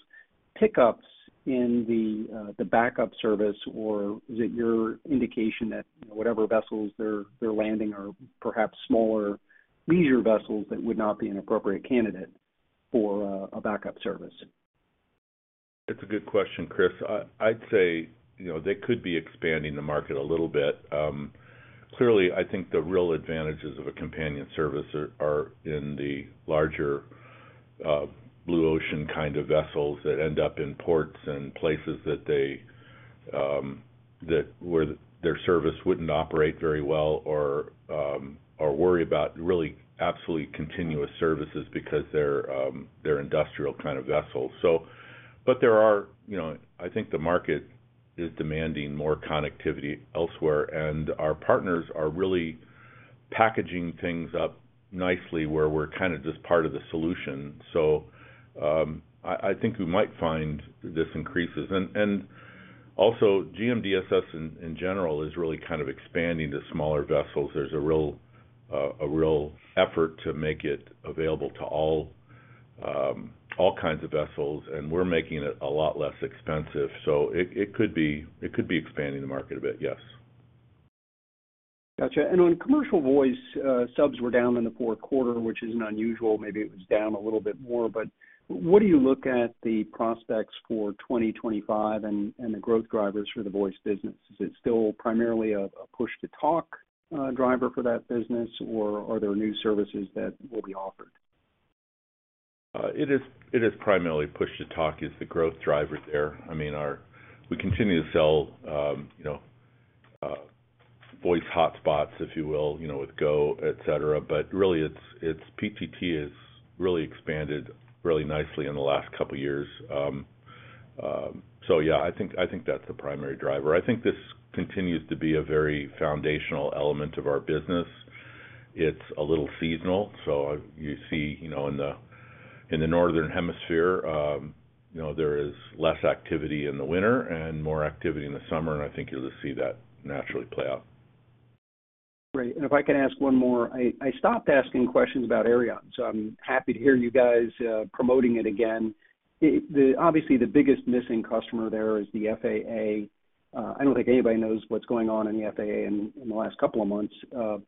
G: pickups in the backup service, or is it your indication that whatever vessels they're landing are perhaps smaller leisure vessels that would not be an appropriate candidate for a backup service?
C: That's a good question, Chris. I'd say they could be expanding the market a little bit. Clearly, I think the real advantages of a companion service are in the larger blue ocean kind of vessels that end up in ports and places where their service wouldn't operate very well or worry about really absolutely continuous services because they're industrial kind of vessels. But there are, I think the market is demanding more connectivity elsewhere, and our partners are really packaging things up nicely where we're kind of just part of the solution. So I think we might find this increases. And also, GMDSS in general is really kind of expanding to smaller vessels. There's a real effort to make it available to all kinds of vessels, and we're making it a lot less expensive. So it could be expanding the market a bit, yes.
G: Gotcha. And on commercial voice, subs were down in the fourth quarter, which isn't unusual. Maybe it was down a little bit more. But what do you look at the prospects for 2025 and the growth drivers for the voice business? Is it still primarily a push-to-talk driver for that business, or are there new services that will be offered?
C: It is primarily push-to-talk is the growth driver there. I mean, we continue to sell voice hotspots, if you will, with Go, etc. But really, PTT has really expanded really nicely in the last couple of years. So yeah, I think that's the primary driver. I think this continues to be a very foundational element of our business. It's a little seasonal. So you see in the Northern Hemisphere, there is less activity in the winter and more activity in the summer, and I think you'll see that naturally play out.
G: Great. And if I can ask one more, I stopped asking questions about Aireon. So I'm happy to hear you guys promoting it again. Obviously, the biggest missing customer there is the FAA. I don't think anybody knows what's going on in the FAA in the last couple of months,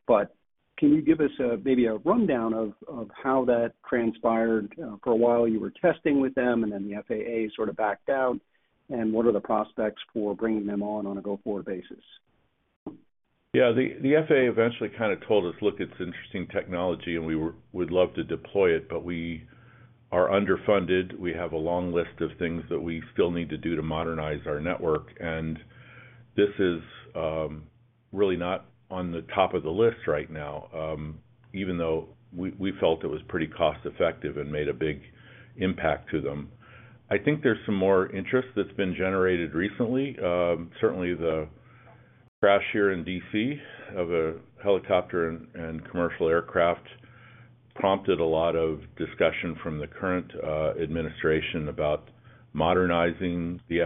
G: but can you give us maybe a rundown of how that transpired? For a while, you were testing with them, and then the FAA sort of backed out. And what are the prospects for bringing them on a go-forward basis?
C: Yeah. The FAA eventually kind of told us, "Look, it's interesting technology, and we would love to deploy it, but we are underfunded. We have a long list of things that we still need to do to modernize our network." And this is really not on the top of the list right now, even though we felt it was pretty cost-effective and made a big impact to them. I think there's some more interest that's been generated recently. Certainly, the crash here in DC of a helicopter and commercial aircraft prompted a lot of discussion from the current administration about modernizing the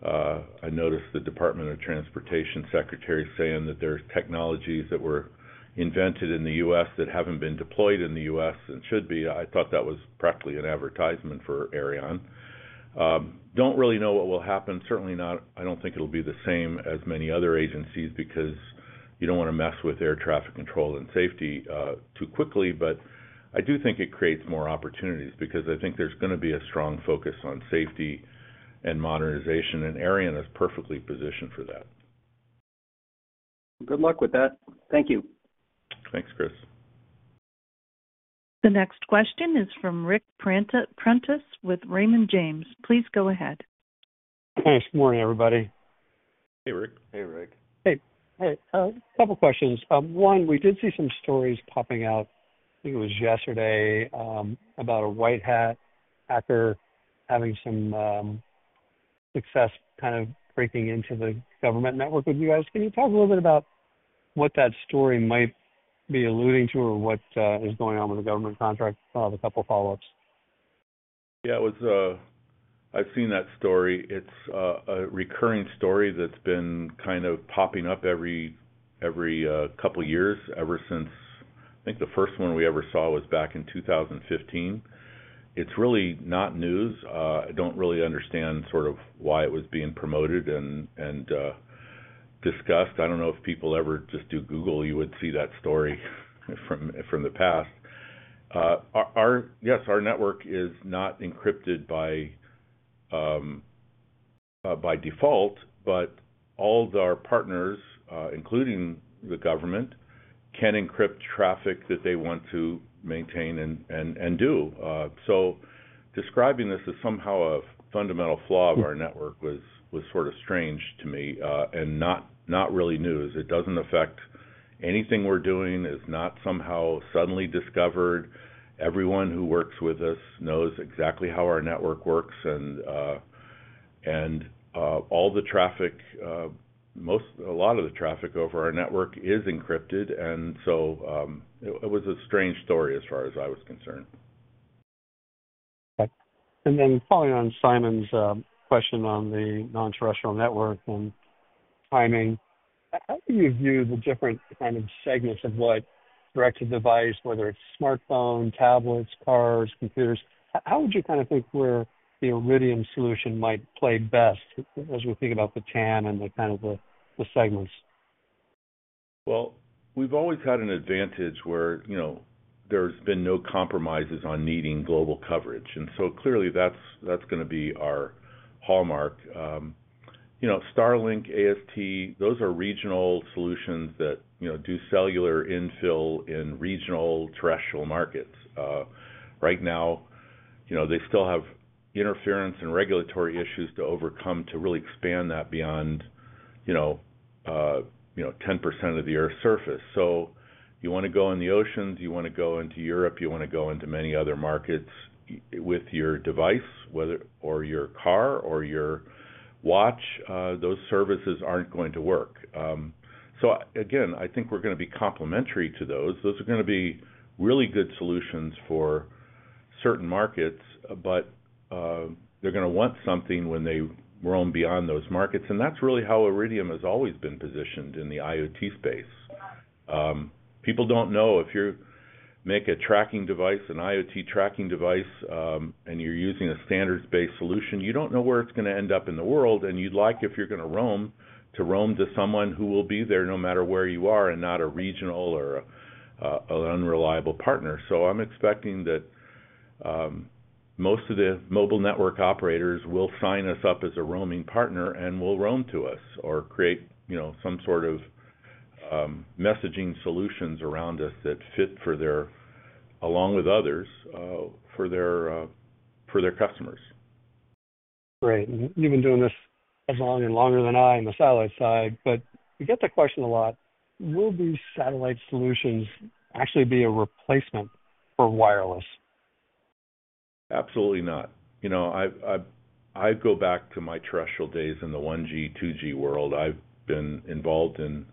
C: FAA. I noticed the Department of Transportation Secretary saying that there are technologies that were invented in the U.S. that haven't been deployed in the U.S. and should be. I thought that was practically an advertisement for Aireon. Don't really know what will happen. Certainly not. I don't think it'll be the same as many other agencies because you don't want to mess with air traffic control and safety too quickly. But I do think it creates more opportunities because I think there's going to be a strong focus on safety and modernization, and Aireon is perfectly positioned for that.
G: Good luck with that. Thank you.
C: Thanks, Chris.
A: The next question is from Ric Prentiss with Raymond James. Please go ahead.
H: Hey. Good morning, everybody.
C: Hey, Ric.
D: Hey, Ric.
H: Hey. Hey. A couple of questions. One, we did see some stories popping out. I think it was yesterday about a white hat hacker having some success kind of breaking into the government network with you guys. Can you talk a little bit about what that story might be alluding to or what is going on with the government contract? I'll have a couple of follow-ups.
C: Yeah. I've seen that story. It's a recurring story that's been kind of popping up every couple of years ever since, I think, the first one we ever saw was back in 2015. It's really not news. I don't really understand sort of why it was being promoted and discussed. I don't know if people ever just do Google; you would see that story from the past. Yes, our network is not encrypted by default, but all of our partners, including the government, can encrypt traffic that they want to maintain and do. So describing this as somehow a fundamental flaw of our network was sort of strange to me and not really news. It doesn't affect anything we're doing. It's not somehow suddenly discovered. Everyone who works with us knows exactly how our network works, and all the traffic, a lot of the traffic over our network, is encrypted, and so it was a strange story as far as I was concerned.
H: Okay. And then, following on Simon's question on the non-terrestrial network and timing, how do you view the different kind of segments of what direct-to-device, whether it's smartphones, tablets, cars, computers? How would you kind of think where the Iridium solution might play best as we think about the TAM and the kind of the segments?
C: Well, we've always had an advantage where there's been no compromises on needing global coverage. And so clearly, that's going to be our hallmark. Starlink, AST, those are regional solutions that do cellular infill in regional terrestrial markets. Right now, they still have interference and regulatory issues to overcome to really expand that beyond 10% of the Earth's surface. So you want to go in the oceans. You want to go into Europe. You want to go into many other markets with your device or your car or your watch. Those services aren't going to work. So again, I think we're going to be complementary to those. Those are going to be really good solutions for certain markets, but they're going to want something when they roam beyond those markets. And that's really how Iridium has always been positioned in the IoT space. People don't know if you make a tracking device, an IoT tracking device, and you're using a standards-based solution, you don't know where it's going to end up in the world. And you'd like if you're going to roam to roam to someone who will be there no matter where you are and not a regional or an unreliable partner. So I'm expecting that most of the mobile network operators will sign us up as a roaming partner and will roam to us or create some sort of messaging solutions around us that fit along with others for their customers.
H: Right. You've been doing this as long and longer than I on the satellite side, but we get the question a lot. Will these satellite solutions actually be a replacement for wireless?
C: Absolutely not. I go back to my terrestrial days in the 1G, 2G world. I've been involved in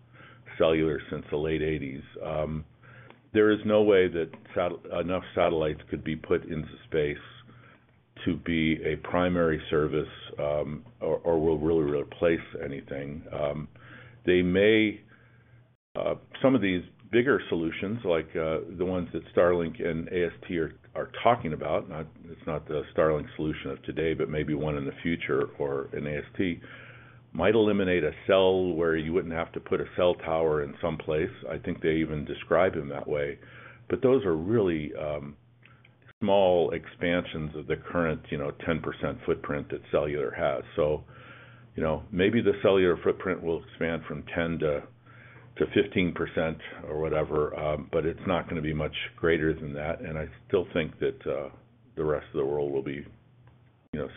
C: cellular since the late 1980s. There is no way that enough satellites could be put into space to be a primary service or will really replace anything. Some of these bigger solutions, like the ones that Starlink and AST are talking about, it's not the Starlink solution of today, but maybe one in the future or an AST, might eliminate a cell where you wouldn't have to put a cell tower in some place. I think they even describe them that way. But those are really small expansions of the current 10% footprint that cellular has. So maybe the cellular footprint will expand from 10%-15% or whatever, but it's not going to be much greater than that. And I still think that the rest of the world will be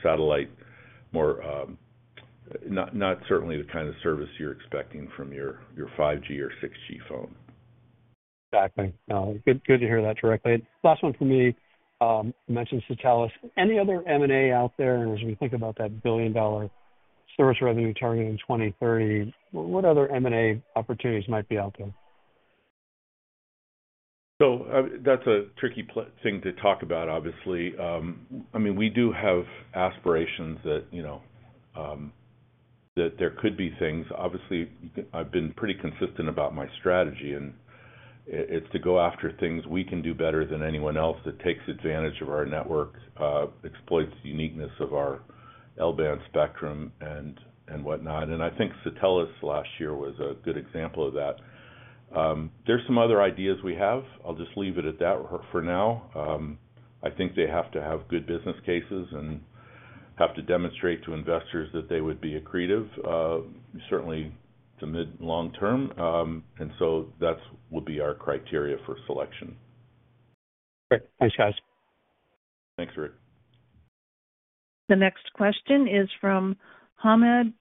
C: satellite, not certainly the kind of service you're expecting from your 5G or 6G phone.
H: Exactly. Good to hear that directly. Last one for me, you mentioned Satelles. Any other M&A out there? And as we think about that $1 billion service revenue target in 2030, what other M&A opportunities might be out there?
C: So that's a tricky thing to talk about, obviously. I mean, we do have aspirations that there could be things. Obviously, I've been pretty consistent about my strategy, and it's to go after things we can do better than anyone else that takes advantage of our network, exploits the uniqueness of our L-band spectrum and whatnot. I think Satelles last year was a good example of that. There's some other ideas we have. I'll just leave it at that for now. I think they have to have good business cases and have to demonstrate to investors that they would be accretive, certainly to mid- and long-term. That would be our criteria for selection.
H: Great. Thanks, guys.
C: Thanks, Ric.
A: The next question is from Hamed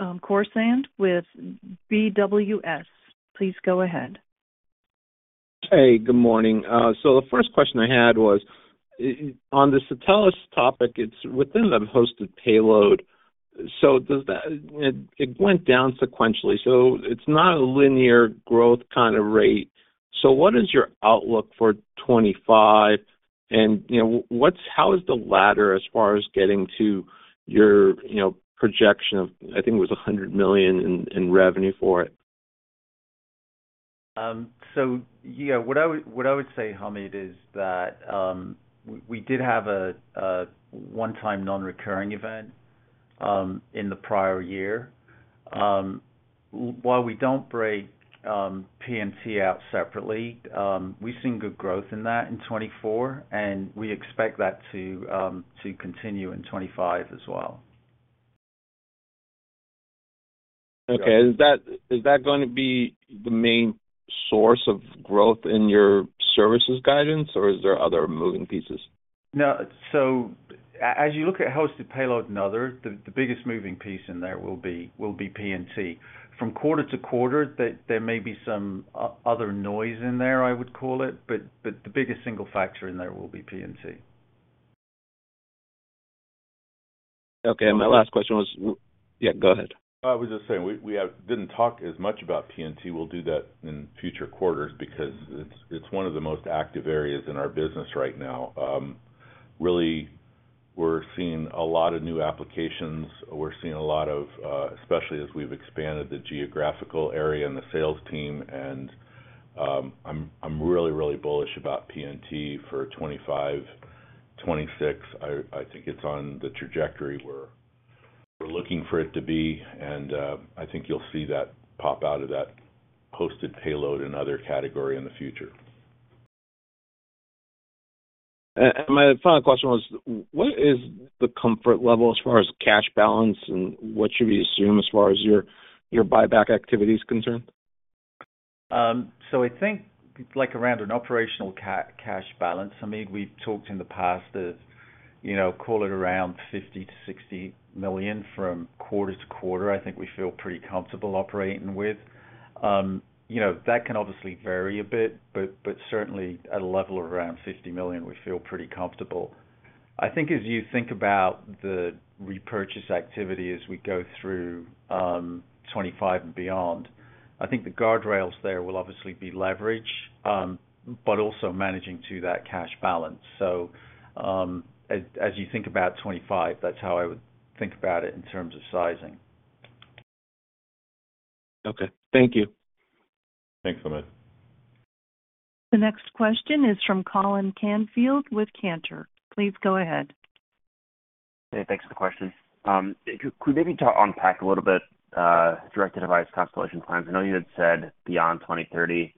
A: Khorsand with BWS. Please go ahead.
I: Hey, good morning. The first question I had was, on the Satelles topic, it's within the hosted payload. It went down sequentially. What is your outlook for 2025? And how is the latter as far as getting to your projection of, I think it was $100 million in revenue for it?
D: So what I would say, Hamed, is that we did have a one-time non-recurring event in the prior year. While we don't break PNT out separately, we've seen good growth in that in 2024, and we expect that to continue in 2025 as well.
I: Okay. Is that going to be the main source of growth in your services guidance, or are there other moving pieces?
D: No. So as you look at hosted payload and others, the biggest moving piece in there will be PNT. From quarter to quarter, there may be some other noise in there, I would call it, but the biggest single factor in there will be PNT.
I: Okay. My last question was, yeah, go ahead.
C: I was just saying we didn't talk as much about PNT. We'll do that in future quarters because it's one of the most active areas in our business right now. Really, we're seeing a lot of new applications. We're seeing a lot of, especially as we've expanded the geographical area and the sales team. I'm really, really bullish about PNT for 2025, 2026. I think it's on the trajectory we're looking for it to be. I think you'll see that pop out of that hosted payload and other category in the future.
I: My final question was, what is the comfort level as far as cash balance, and what should we assume as far as your buyback activity is concerned?
D: I think around an operational cash balance, I mean, we've talked in the past of call it around $50 million-$60 million from quarter to quarter. I think we feel pretty comfortable operating with. That can obviously vary a bit, but certainly at a level of around $50 million, we feel pretty comfortable. I think as you think about the repurchase activity as we go through 2025 and beyond, I think the guardrails there will obviously be leverage, but also managing to that cash balance, so as you think about 2025, that's how I would think about it in terms of sizing.
I: Okay. Thank you.
C: Thanks, Hamed.
A: The next question is from Colin Canfield with Cantor. Please go ahead.
J: Hey, thanks for the question. Could we maybe unpack a little bit direct-to-device constellation plans? I know you had said beyond 2030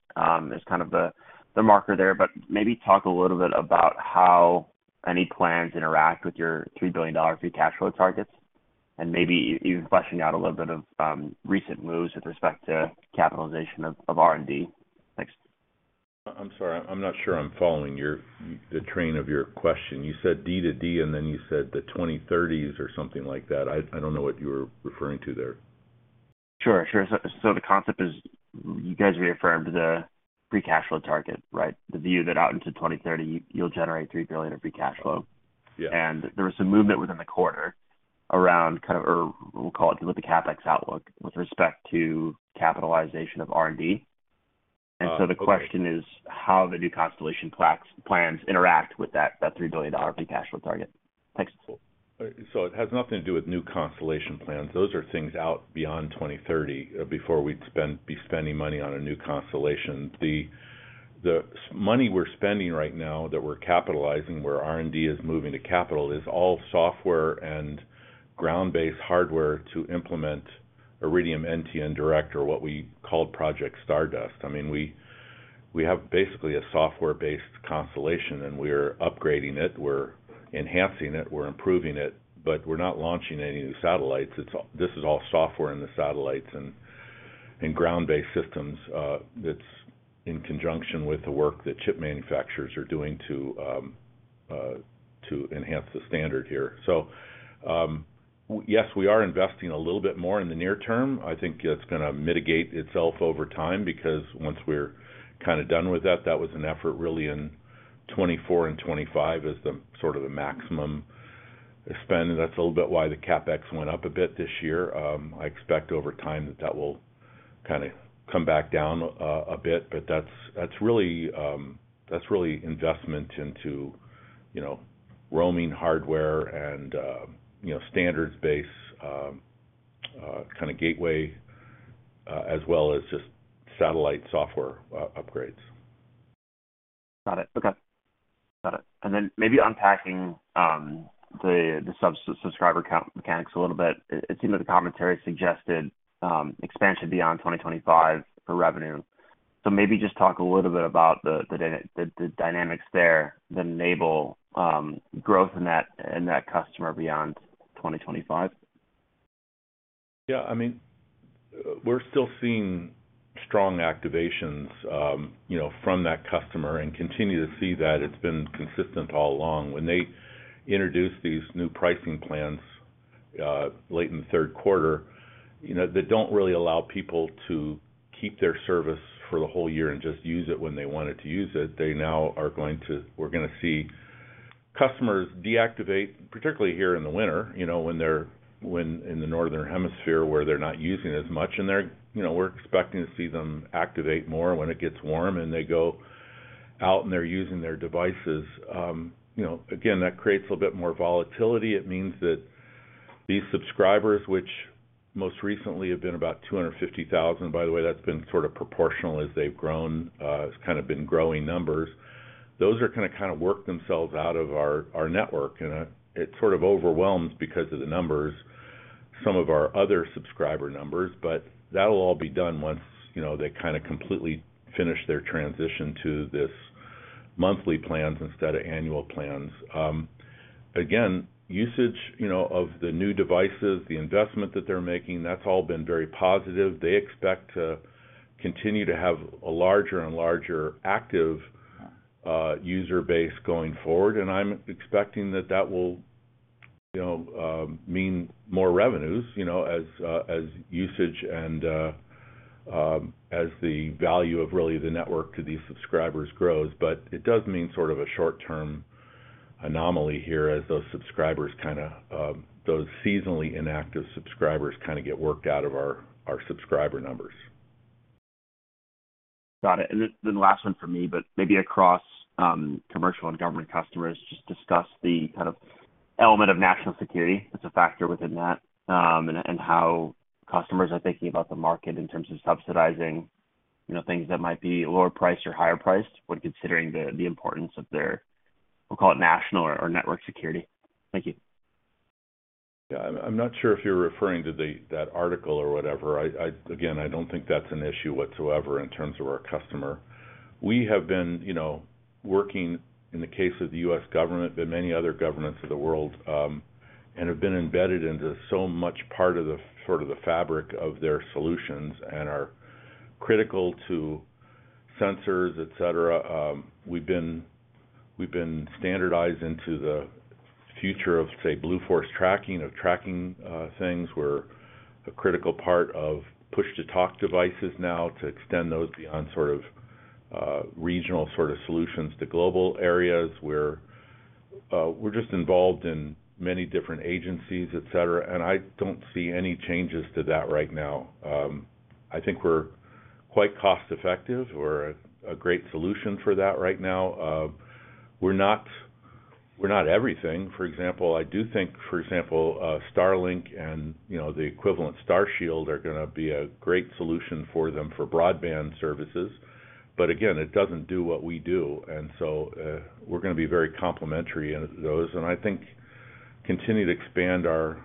J: is kind of the marker there, but maybe talk a little bit about how any plans interact with your $3 billion cash flow targets and maybe even fleshing out a little bit of recent moves with respect to capitalization of R&D. Thanks.
C: I'm sorry. I'm not sure I'm following the train of your question. You said D2D, and then you said the 2030s or something like that. I don't know what you were referring to there.
J: Sure. Sure. So the concept is you guys reaffirmed the free cash flow target, right? The view that out into 2030, you'll generate $3 billion of free cash flow. And there was some movement within the quarter around kind of, or we'll call it the CAPEX outlook with respect to capitalization of R&D. And so the question is how the new constellation plans interact with that $3 billion free cash flow target. Thanks. So it has nothing to do with new constellation plans. Those are things out beyond 2030 before we'd be spending money on a new constellation.
C: The money we're spending right now that we're capitalizing, where R&D is moving to capital, is all software and ground-based hardware to implement Iridium NTN Direct or what we called Project Stardust. I mean, we have basically a software-based constellation, and we're upgrading it. We're enhancing it. We're improving it, but we're not launching any new satellites. This is all software in the satellites and ground-based systems that's in conjunction with the work that chip manufacturers are doing to enhance the standard here. So yes, we are investing a little bit more in the near term. I think it's going to mitigate itself over time because once we're kind of done with that, that was an effort really in 2024 and 2025 as sort of a maximum spend. And that's a little bit why the CapEx went up a bit this year. I expect over time that will kind of come back down a bit, but that's really investment into roaming hardware and standards-based kind of gateway as well as just satellite software upgrades.
J: Got it. Okay. Got it, and then maybe unpacking the subscriber mechanics a little bit. It seemed that the commentary suggested expansion beyond 2025 for revenue, so maybe just talk a little bit about the dynamics there that enable growth in that customer beyond 2025.
C: Yeah. I mean, we're still seeing strong activations from that customer and continue to see that. It's been consistent all along. When they introduced these new pricing plans late in the third quarter that don't really allow people to keep their service for the whole year and just use it when they wanted to use it, they now are going to. We're going to see customers deactivate, particularly here in the winter when they're in the Northern Hemisphere where they're not using as much. And we're expecting to see them activate more when it gets warm and they go out and they're using their devices. Again, that creates a little bit more volatility. It means that these subscribers, which most recently have been about 250,000, by the way, that's been sort of proportional as they've grown. It's kind of been growing numbers. Those are going to kind of work themselves out of our network. It sort of overwhelms because of the numbers, some of our other subscriber numbers, but that'll all be done once they kind of completely finish their transition to these monthly plans instead of annual plans. Again, usage of the new devices, the investment that they're making, that's all been very positive. They expect to continue to have a larger and larger active user base going forward. I'm expecting that that will mean more revenues as usage and as the value of really the network to these subscribers grows. It does mean sort of a short-term anomaly here as those subscribers kind of, those seasonally inactive subscribers kind of get worked out of our subscriber numbers.
J: Got it. And then the last one for me, but maybe across commercial and government customers, just discuss the kind of element of national security as a factor within that and how customers are thinking about the market in terms of subsidizing things that might be lower priced or higher priced when considering the importance of their, we'll call it national or network security. Thank you.
C: Yeah. I'm not sure if you're referring to that article or whatever. Again, I don't think that's an issue whatsoever in terms of our customer. We have been working in the case of the U.S. government, but many other governments of the world, and have been embedded into so much part of the sort of the fabric of their solutions and are critical to sensors, etc. We've been standardized into the future of, say, Blue Force Tracking, of tracking things. We're a critical part of push-to-talk devices now to extend those beyond sort of regional sort of solutions to global areas where we're just involved in many different agencies, etc., and I don't see any changes to that right now. I think we're quite cost-effective. We're a great solution for that right now. We're not everything. For example, I do think, for example, Starlink and the equivalent Starshield are going to be a great solution for them for broadband services, but again, it doesn't do what we do, and so we're going to be very complementary in those, and I think continue to expand our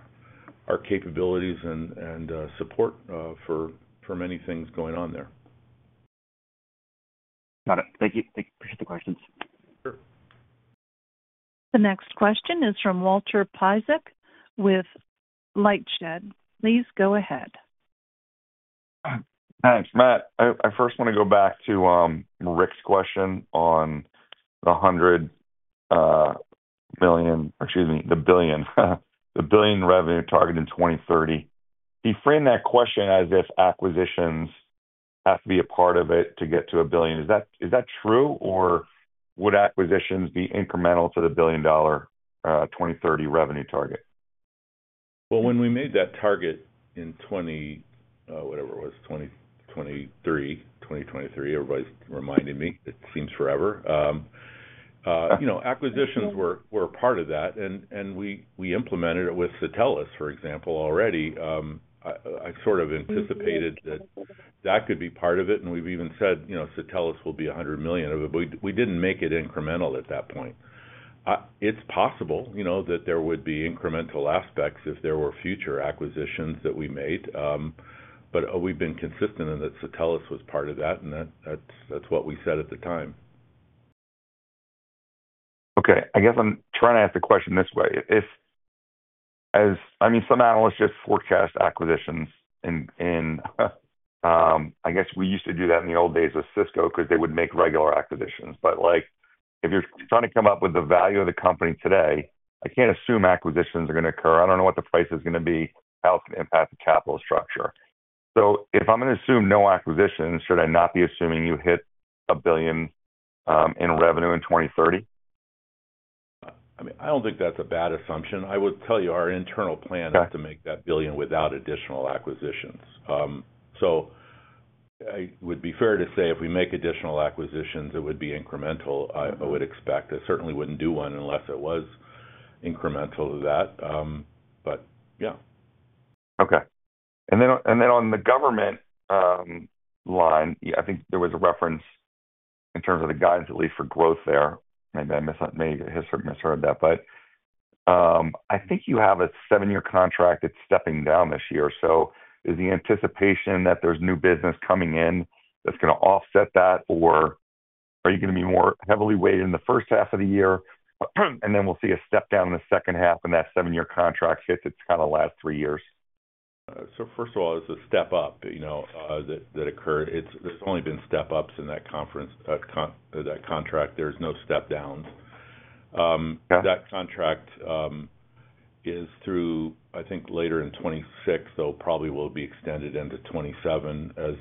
C: capabilities and support for many things going on there.
J: Got it. Thank you. Appreciate the questions.
C: Sure.
A: The next question is from Walter Piecyk with LightShed. Please go ahead.
K: Thanks, Matt.
D: I first want to go back to Rick's question on the 100 million, excuse me, the billion, the billion revenue target in 2030. He framed that question as if acquisitions have to be a part of it to get to a billion. Is that true, or would acquisitions be incremental to the billion-dollar 2030 revenue target?
C: When we made that target in 20, whatever it was, 2023, 2023, everybody's reminding me. It seems forever. Acquisitions were a part of that. And we implemented it with Satelles, for example, already. I sort of anticipated that that could be part of it. And we've even said Satelles will be 100 million of it, but we didn't make it incremental at that point. It's possible that there would be incremental aspects if there were future acquisitions that we made. But we've been consistent in that Satelles was part of that, and that's what we said at the time.
K: Okay. I guess I'm trying to ask the question this way. I mean, some analysts just forecast acquisitions in - I guess we used to do that in the old days with Cisco because they would make regular acquisitions. But if you're trying to come up with the value of the company today, I can't assume acquisitions are going to occur. I don't know what the price is going to be, how it's going to impact the capital structure. So if I'm going to assume no acquisitions, should I not be assuming you hit a billion in revenue in 2030?
C: I mean, I don't think that's a bad assumption. I will tell you our internal plan is to make that billion without additional acquisitions. So it would be fair to say if we make additional acquisitions, it would be incremental. I would expect, I certainly wouldn't do one unless it was incremental to that. But yeah.
K: Okay. And then on the government line, I think there was a reference in terms of the guidance, at least for growth there. Maybe I misheard that. But I think you have a seven-year contract that's stepping down this year. So is the anticipation that there's new business coming in that's going to offset that? Or are you going to be more heavily weighted in the first half of the year, and then we'll see a step down in the second half when that seven-year contract hits its kind of last three years?
C: So first of all, it's a step up that occurred. There's only been step-ups in that contract. There's no step-downs. That contract is through, I think, later in 2026, though probably will be extended into 2027 as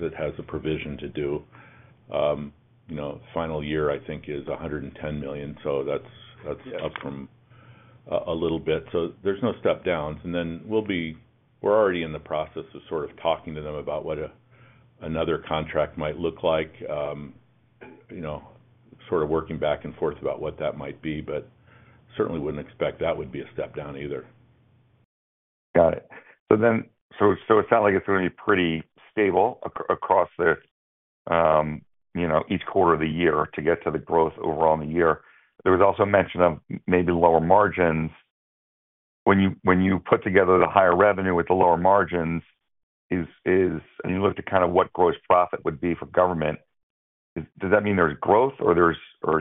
C: it has the provision to do. Final year, I think, is $110 million. So that's up from a little bit. So there's no step-downs. And then we're already in the process of sort of talking to them about what another contract might look like, sort of working back and forth about what that might be, but certainly wouldn't expect that would be a step-down either.
K: Got it. So it sounds like it's going to be pretty stable across each quarter of the year to get to the growth overall in the year. There was also mention of maybe lower margins. When you put together the higher revenue with the lower margins and you looked at kind of what gross profit would be for government, does that mean there's growth, or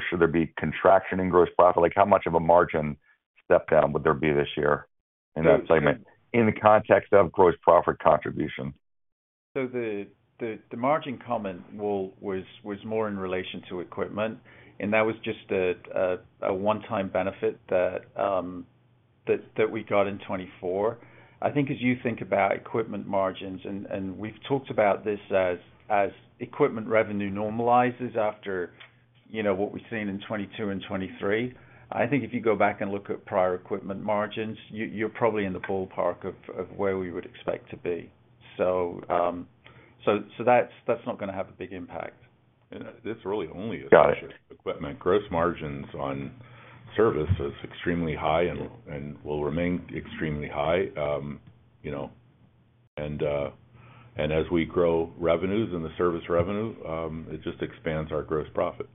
K: should there be contraction in gross profit? How much of a margin step-down would there be this year in that segment in the context of gross profit contribution?
D: So the margin comment was more in relation to equipment, and that was just a one-time benefit that we got in 2024. I think as you think about equipment margins, and we've talked about this as equipment revenue normalizes after what we've seen in 2022 and 2023, I think if you go back and look at prior equipment margins, you're probably in the ballpark of where we would expect to be. So that's not going to have a big impact.
C: It's really only a feature of equipment. Gross margins on service is extremely high and will remain extremely high and as we grow revenues and the service revenue, it just expands our gross profit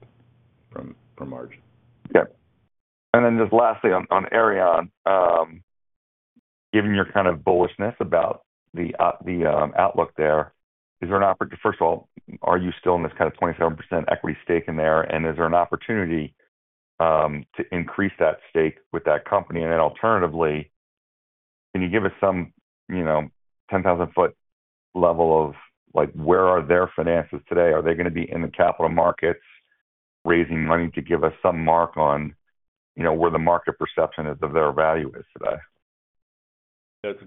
C: from margin.
K: Yeah. Then just lastly on Aireon, given your kind of bullishness about the outlook there, is there an opportunity? First of all, are you still in this kind of 27% equity stake in there? And is there an opportunity to increase that stake with that company? And then alternatively, can you give us some 10,000-foot level of where are their finances today? Are they going to be in the capital markets raising money to give us some mark on where the market perception is of their value is today?
C: That's a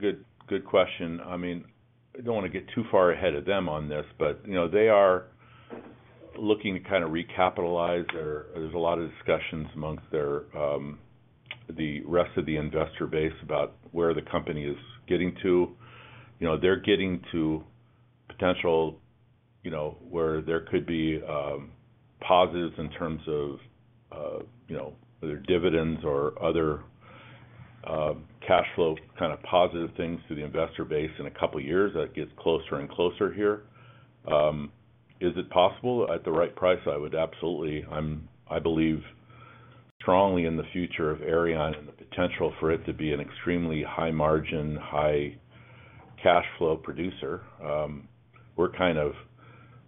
C: good question. I mean, I don't want to get too far ahead of them on this, but they are looking to kind of recapitalize. There's a lot of discussions amongst the rest of the investor base about where the company is getting to. They're getting to potential where there could be positives in terms of either dividends or other cash flow kind of positive things to the investor base in a couple of years that gets closer and closer here. Is it possible at the right price? I believe strongly in the future of Aireon and the potential for it to be an extremely high-margin, high-cash flow producer. We're kind of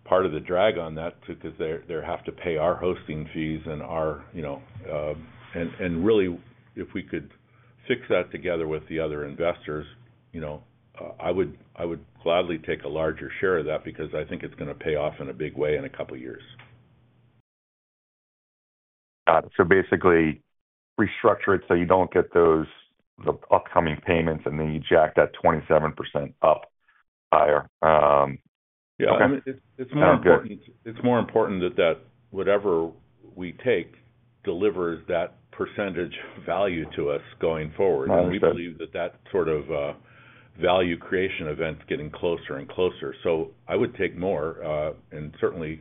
C: part of the drag on that because they have to pay our hosting fees and really, if we could fix that together with the other investors, I would gladly take a larger share of that because I think it's going to pay off in a big way in a couple of years.
K: Got it. So basically, restructure it so you don't get those upcoming payments, and then you jack that 27% up higher. Yeah.
C: It's more important that whatever we take delivers that percentage of value to us going forward. And we believe that that sort of value creation event's getting closer and closer. So I would take more. And certainly,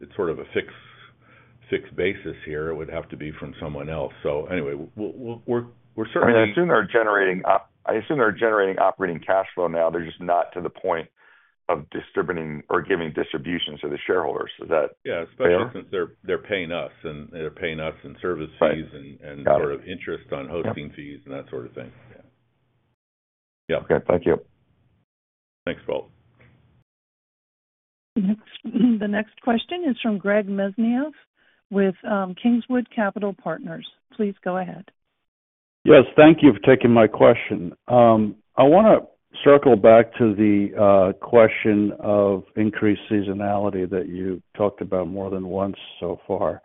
C: it's sort of a fixed basis here. It would have to be from someone else. So anyway, we're certainly.
K: I mean, I assume they're generating operating cash flow now. They're just not to the point of distributing or giving distributions to the shareholders. Is that fair?
C: Yeah. Especially since they're paying us, and they're paying us in service fees and sort of interest on hosting fees and that sort of thing. Yeah.
K: Yeah. Okay. Thank you.
C: Thanks, Walter.
A: The next question is from Greg Mesniaeff with Kingswood Capital Partners. Please go ahead.
L: Yes. Thank you for taking my question. I want to circle back to the question of increased seasonality that you talked about more than once so far.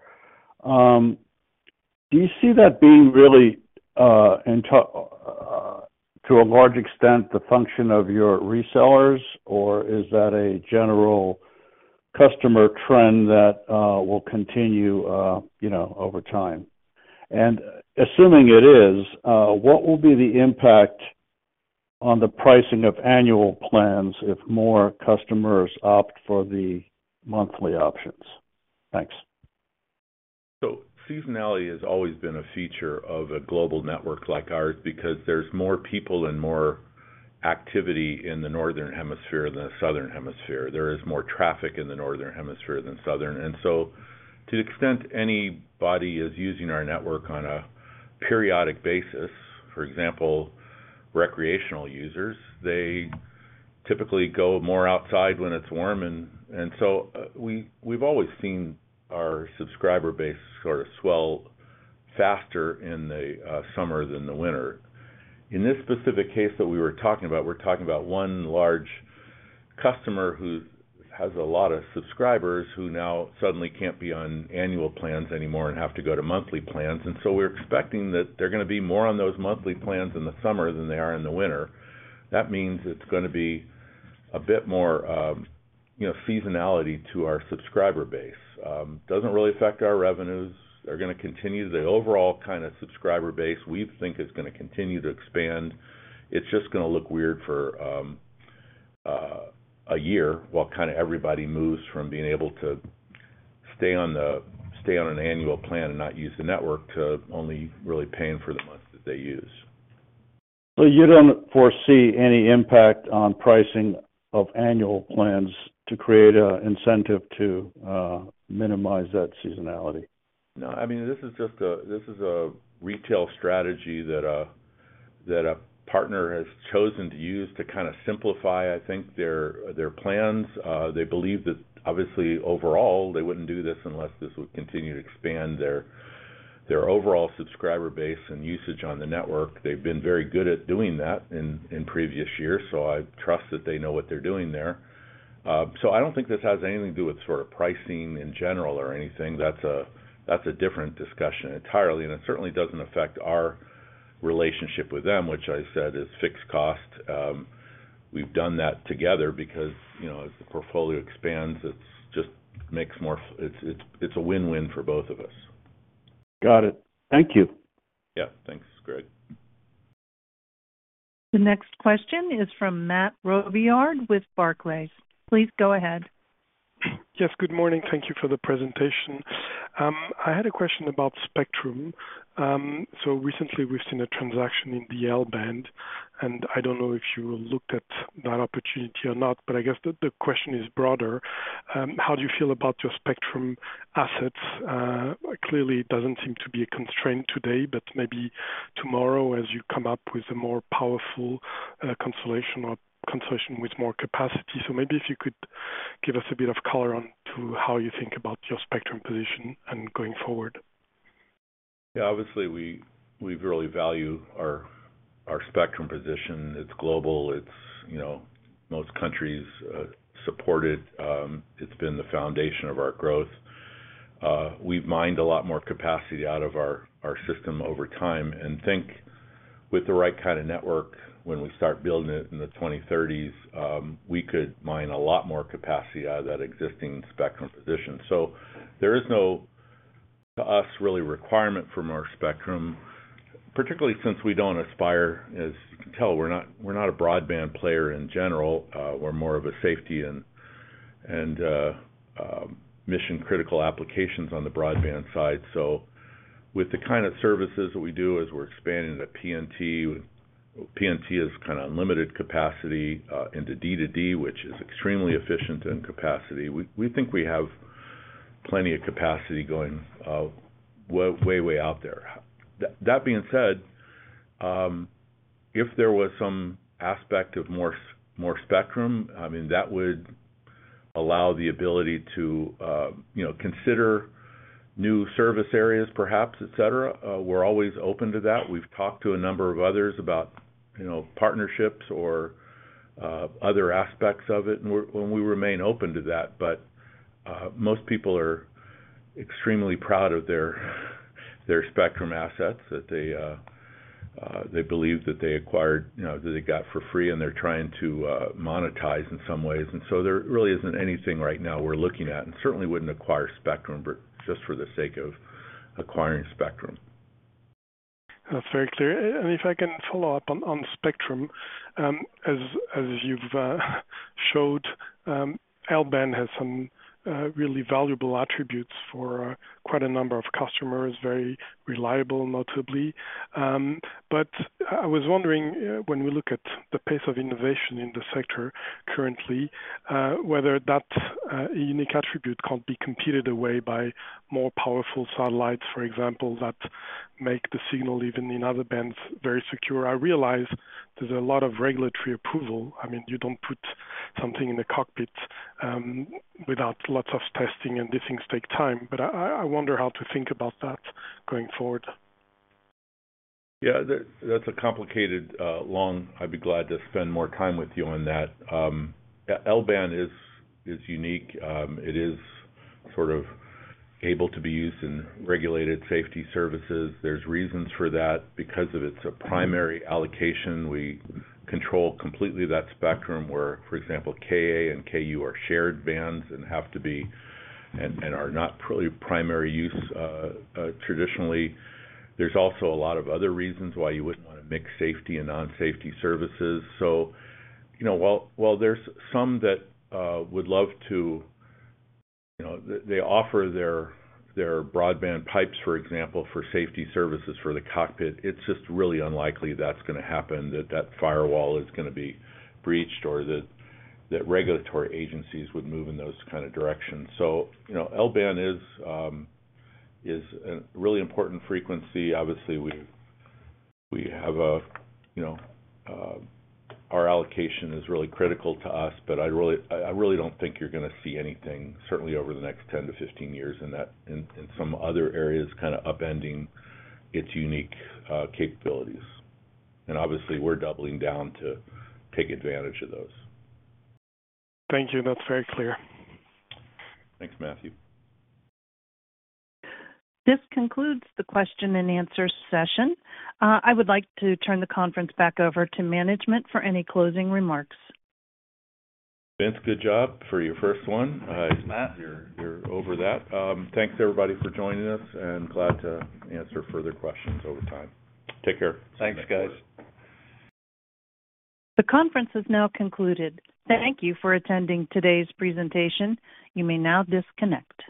L: Do you see that being really, to a large extent, the function of your resellers, or is that a general customer trend that will continue over time? And assuming it is, what will be the impact on the pricing of annual plans if more customers opt for the monthly options? Thanks.
C: So seasonality has always been a feature of a global network like ours because there's more people and more activity in the Northern Hemisphere than the Southern Hemisphere. There is more traffic in the Northern Hemisphere than southern. And so to the extent anybody is using our network on a periodic basis, for example, recreational users, they typically go more outside when it's warm. And so we've always seen our subscriber base sort of swell faster in the summer than the winter. In this specific case that we were talking about, we're talking about one large customer who has a lot of subscribers who now suddenly can't be on annual plans anymore and have to go to monthly plans. And so we're expecting that they're going to be more on those monthly plans in the summer than they are in the winter. That means it's going to be a bit more seasonality to our subscriber base. It doesn't really affect our revenues. They're going to continue the overall kind of subscriber base we think is going to continue to expand. It's just going to look weird for a year while kind of everybody moves from being able to stay on an annual plan and not use the network to only really paying for the months that they use. Well, you don't foresee any impact on pricing of annual plans to create an incentive to minimize that seasonality? No. I mean, this is just a retail strategy that a partner has chosen to use to kind of simplify, I think, their plans. They believe that, obviously, overall, they wouldn't do this unless this would continue to expand their overall subscriber base and usage on the network. They've been very good at doing that in previous years, so I trust that they know what they're doing there. So I don't think this has anything to do with sort of pricing in general or anything. That's a different discussion entirely. And it certainly doesn't affect our relationship with them, which I said is fixed cost. We've done that together because as the portfolio expands, it just makes more. It's a win-win for both of us.
L: Got it. Thank you.
C: Yeah. Thanks, Greg.
A: The next question is from Mathieu Robilliard with Barclays. Please go ahead.
M: Matt, good morning. Thank you for the presentation. I had a question about spectrum. So recently, we've seen a transaction in the L-band, and I don't know if you looked at that opportunity or not, but I guess the question is broader. How do you feel about your spectrum assets? Clearly, it doesn't seem to be a constraint today, but maybe tomorrow, as you come up with a more powerful constellation or constellation with more capacity. So maybe if you could give us a bit of color on how you think about your spectrum position and going forward.
C: Yeah. Obviously, we really value our spectrum position. It's global. It's supported in most countries. It's been the foundation of our growth. We've mined a lot more capacity out of our system over time. And I think with the right kind of network, when we start building it in the 2030s, we could mine a lot more capacity out of that existing spectrum position. There is no, to us, real requirement from our spectrum, particularly since we don't aspire, as you can tell, we're not a broadband player in general. We're more of a safety and mission-critical applications on the broadband side. So with the kind of services that we do as we're expanding to PNT, PNT is kind of unlimited capacity into D2D, which is extremely efficient in capacity, we think we have plenty of capacity going way, way out there. That being said, if there was some aspect of more spectrum, I mean, that would allow the ability to consider new service areas, perhaps, etc. We're always open to that. We've talked to a number of others about partnerships or other aspects of it, and we remain open to that. But most people are extremely proud of their spectrum assets that they believe that they acquired, that they got for free, and they're trying to monetize in some ways. And so there really isn't anything right now we're looking at and certainly wouldn't acquire spectrum just for the sake of acquiring spectrum.
M: That's very clear. If I can follow up on spectrum, as you've showed, L-band has some really valuable attributes for quite a number of customers, very reliable, notably. But I was wondering, when we look at the pace of innovation in the sector currently, whether that unique attribute can't be competed away by more powerful satellites, for example, that make the signal even in other bands very secure. I realize there's a lot of regulatory approval. I mean, you don't put something in the cockpit without lots of testing, and these things take time. But I wonder how to think about that going forward.
C: Yeah. That's a complicated, long. I'd be glad to spend more time with you on that. L-band is unique. It is sort of able to be used in regulated safety services. There's reasons for that because of its primary allocation. We control completely that spectrum where, for example, Ka and Ku are shared bands and have to be and are not purely primary use traditionally. There's also a lot of other reasons why you wouldn't want to mix safety and non-safety services. So while there's some that would love to, they offer their broadband pipes, for example, for safety services for the cockpit. It's just really unlikely that's going to happen, that that firewall is going to be breached or that regulatory agencies would move in those kind of directions. So L-band is a really important frequency. Obviously, we have a, our allocation is really critical to us, but I really don't think you're going to see anything, certainly over the next 10-15 years in some other areas kind of upending its unique capabilities. And obviously, we're doubling down to take advantage of those.
M: Thank you. That's very clear.
C: Thanks, Matthew.
A: This concludes the question and answer session. I would like to turn the conference back over to management for any closing remarks.
C: Vince, good job for your first one.
D: Thanks, Matt.
C: You're over that. Thanks, everybody, for joining us, and glad to answer further questions over time. Take care.
D: Thanks, guys.
C: Thanks, guys.
A: The conference has now concluded. Thank you for attending today's presentation. You may now disconnect.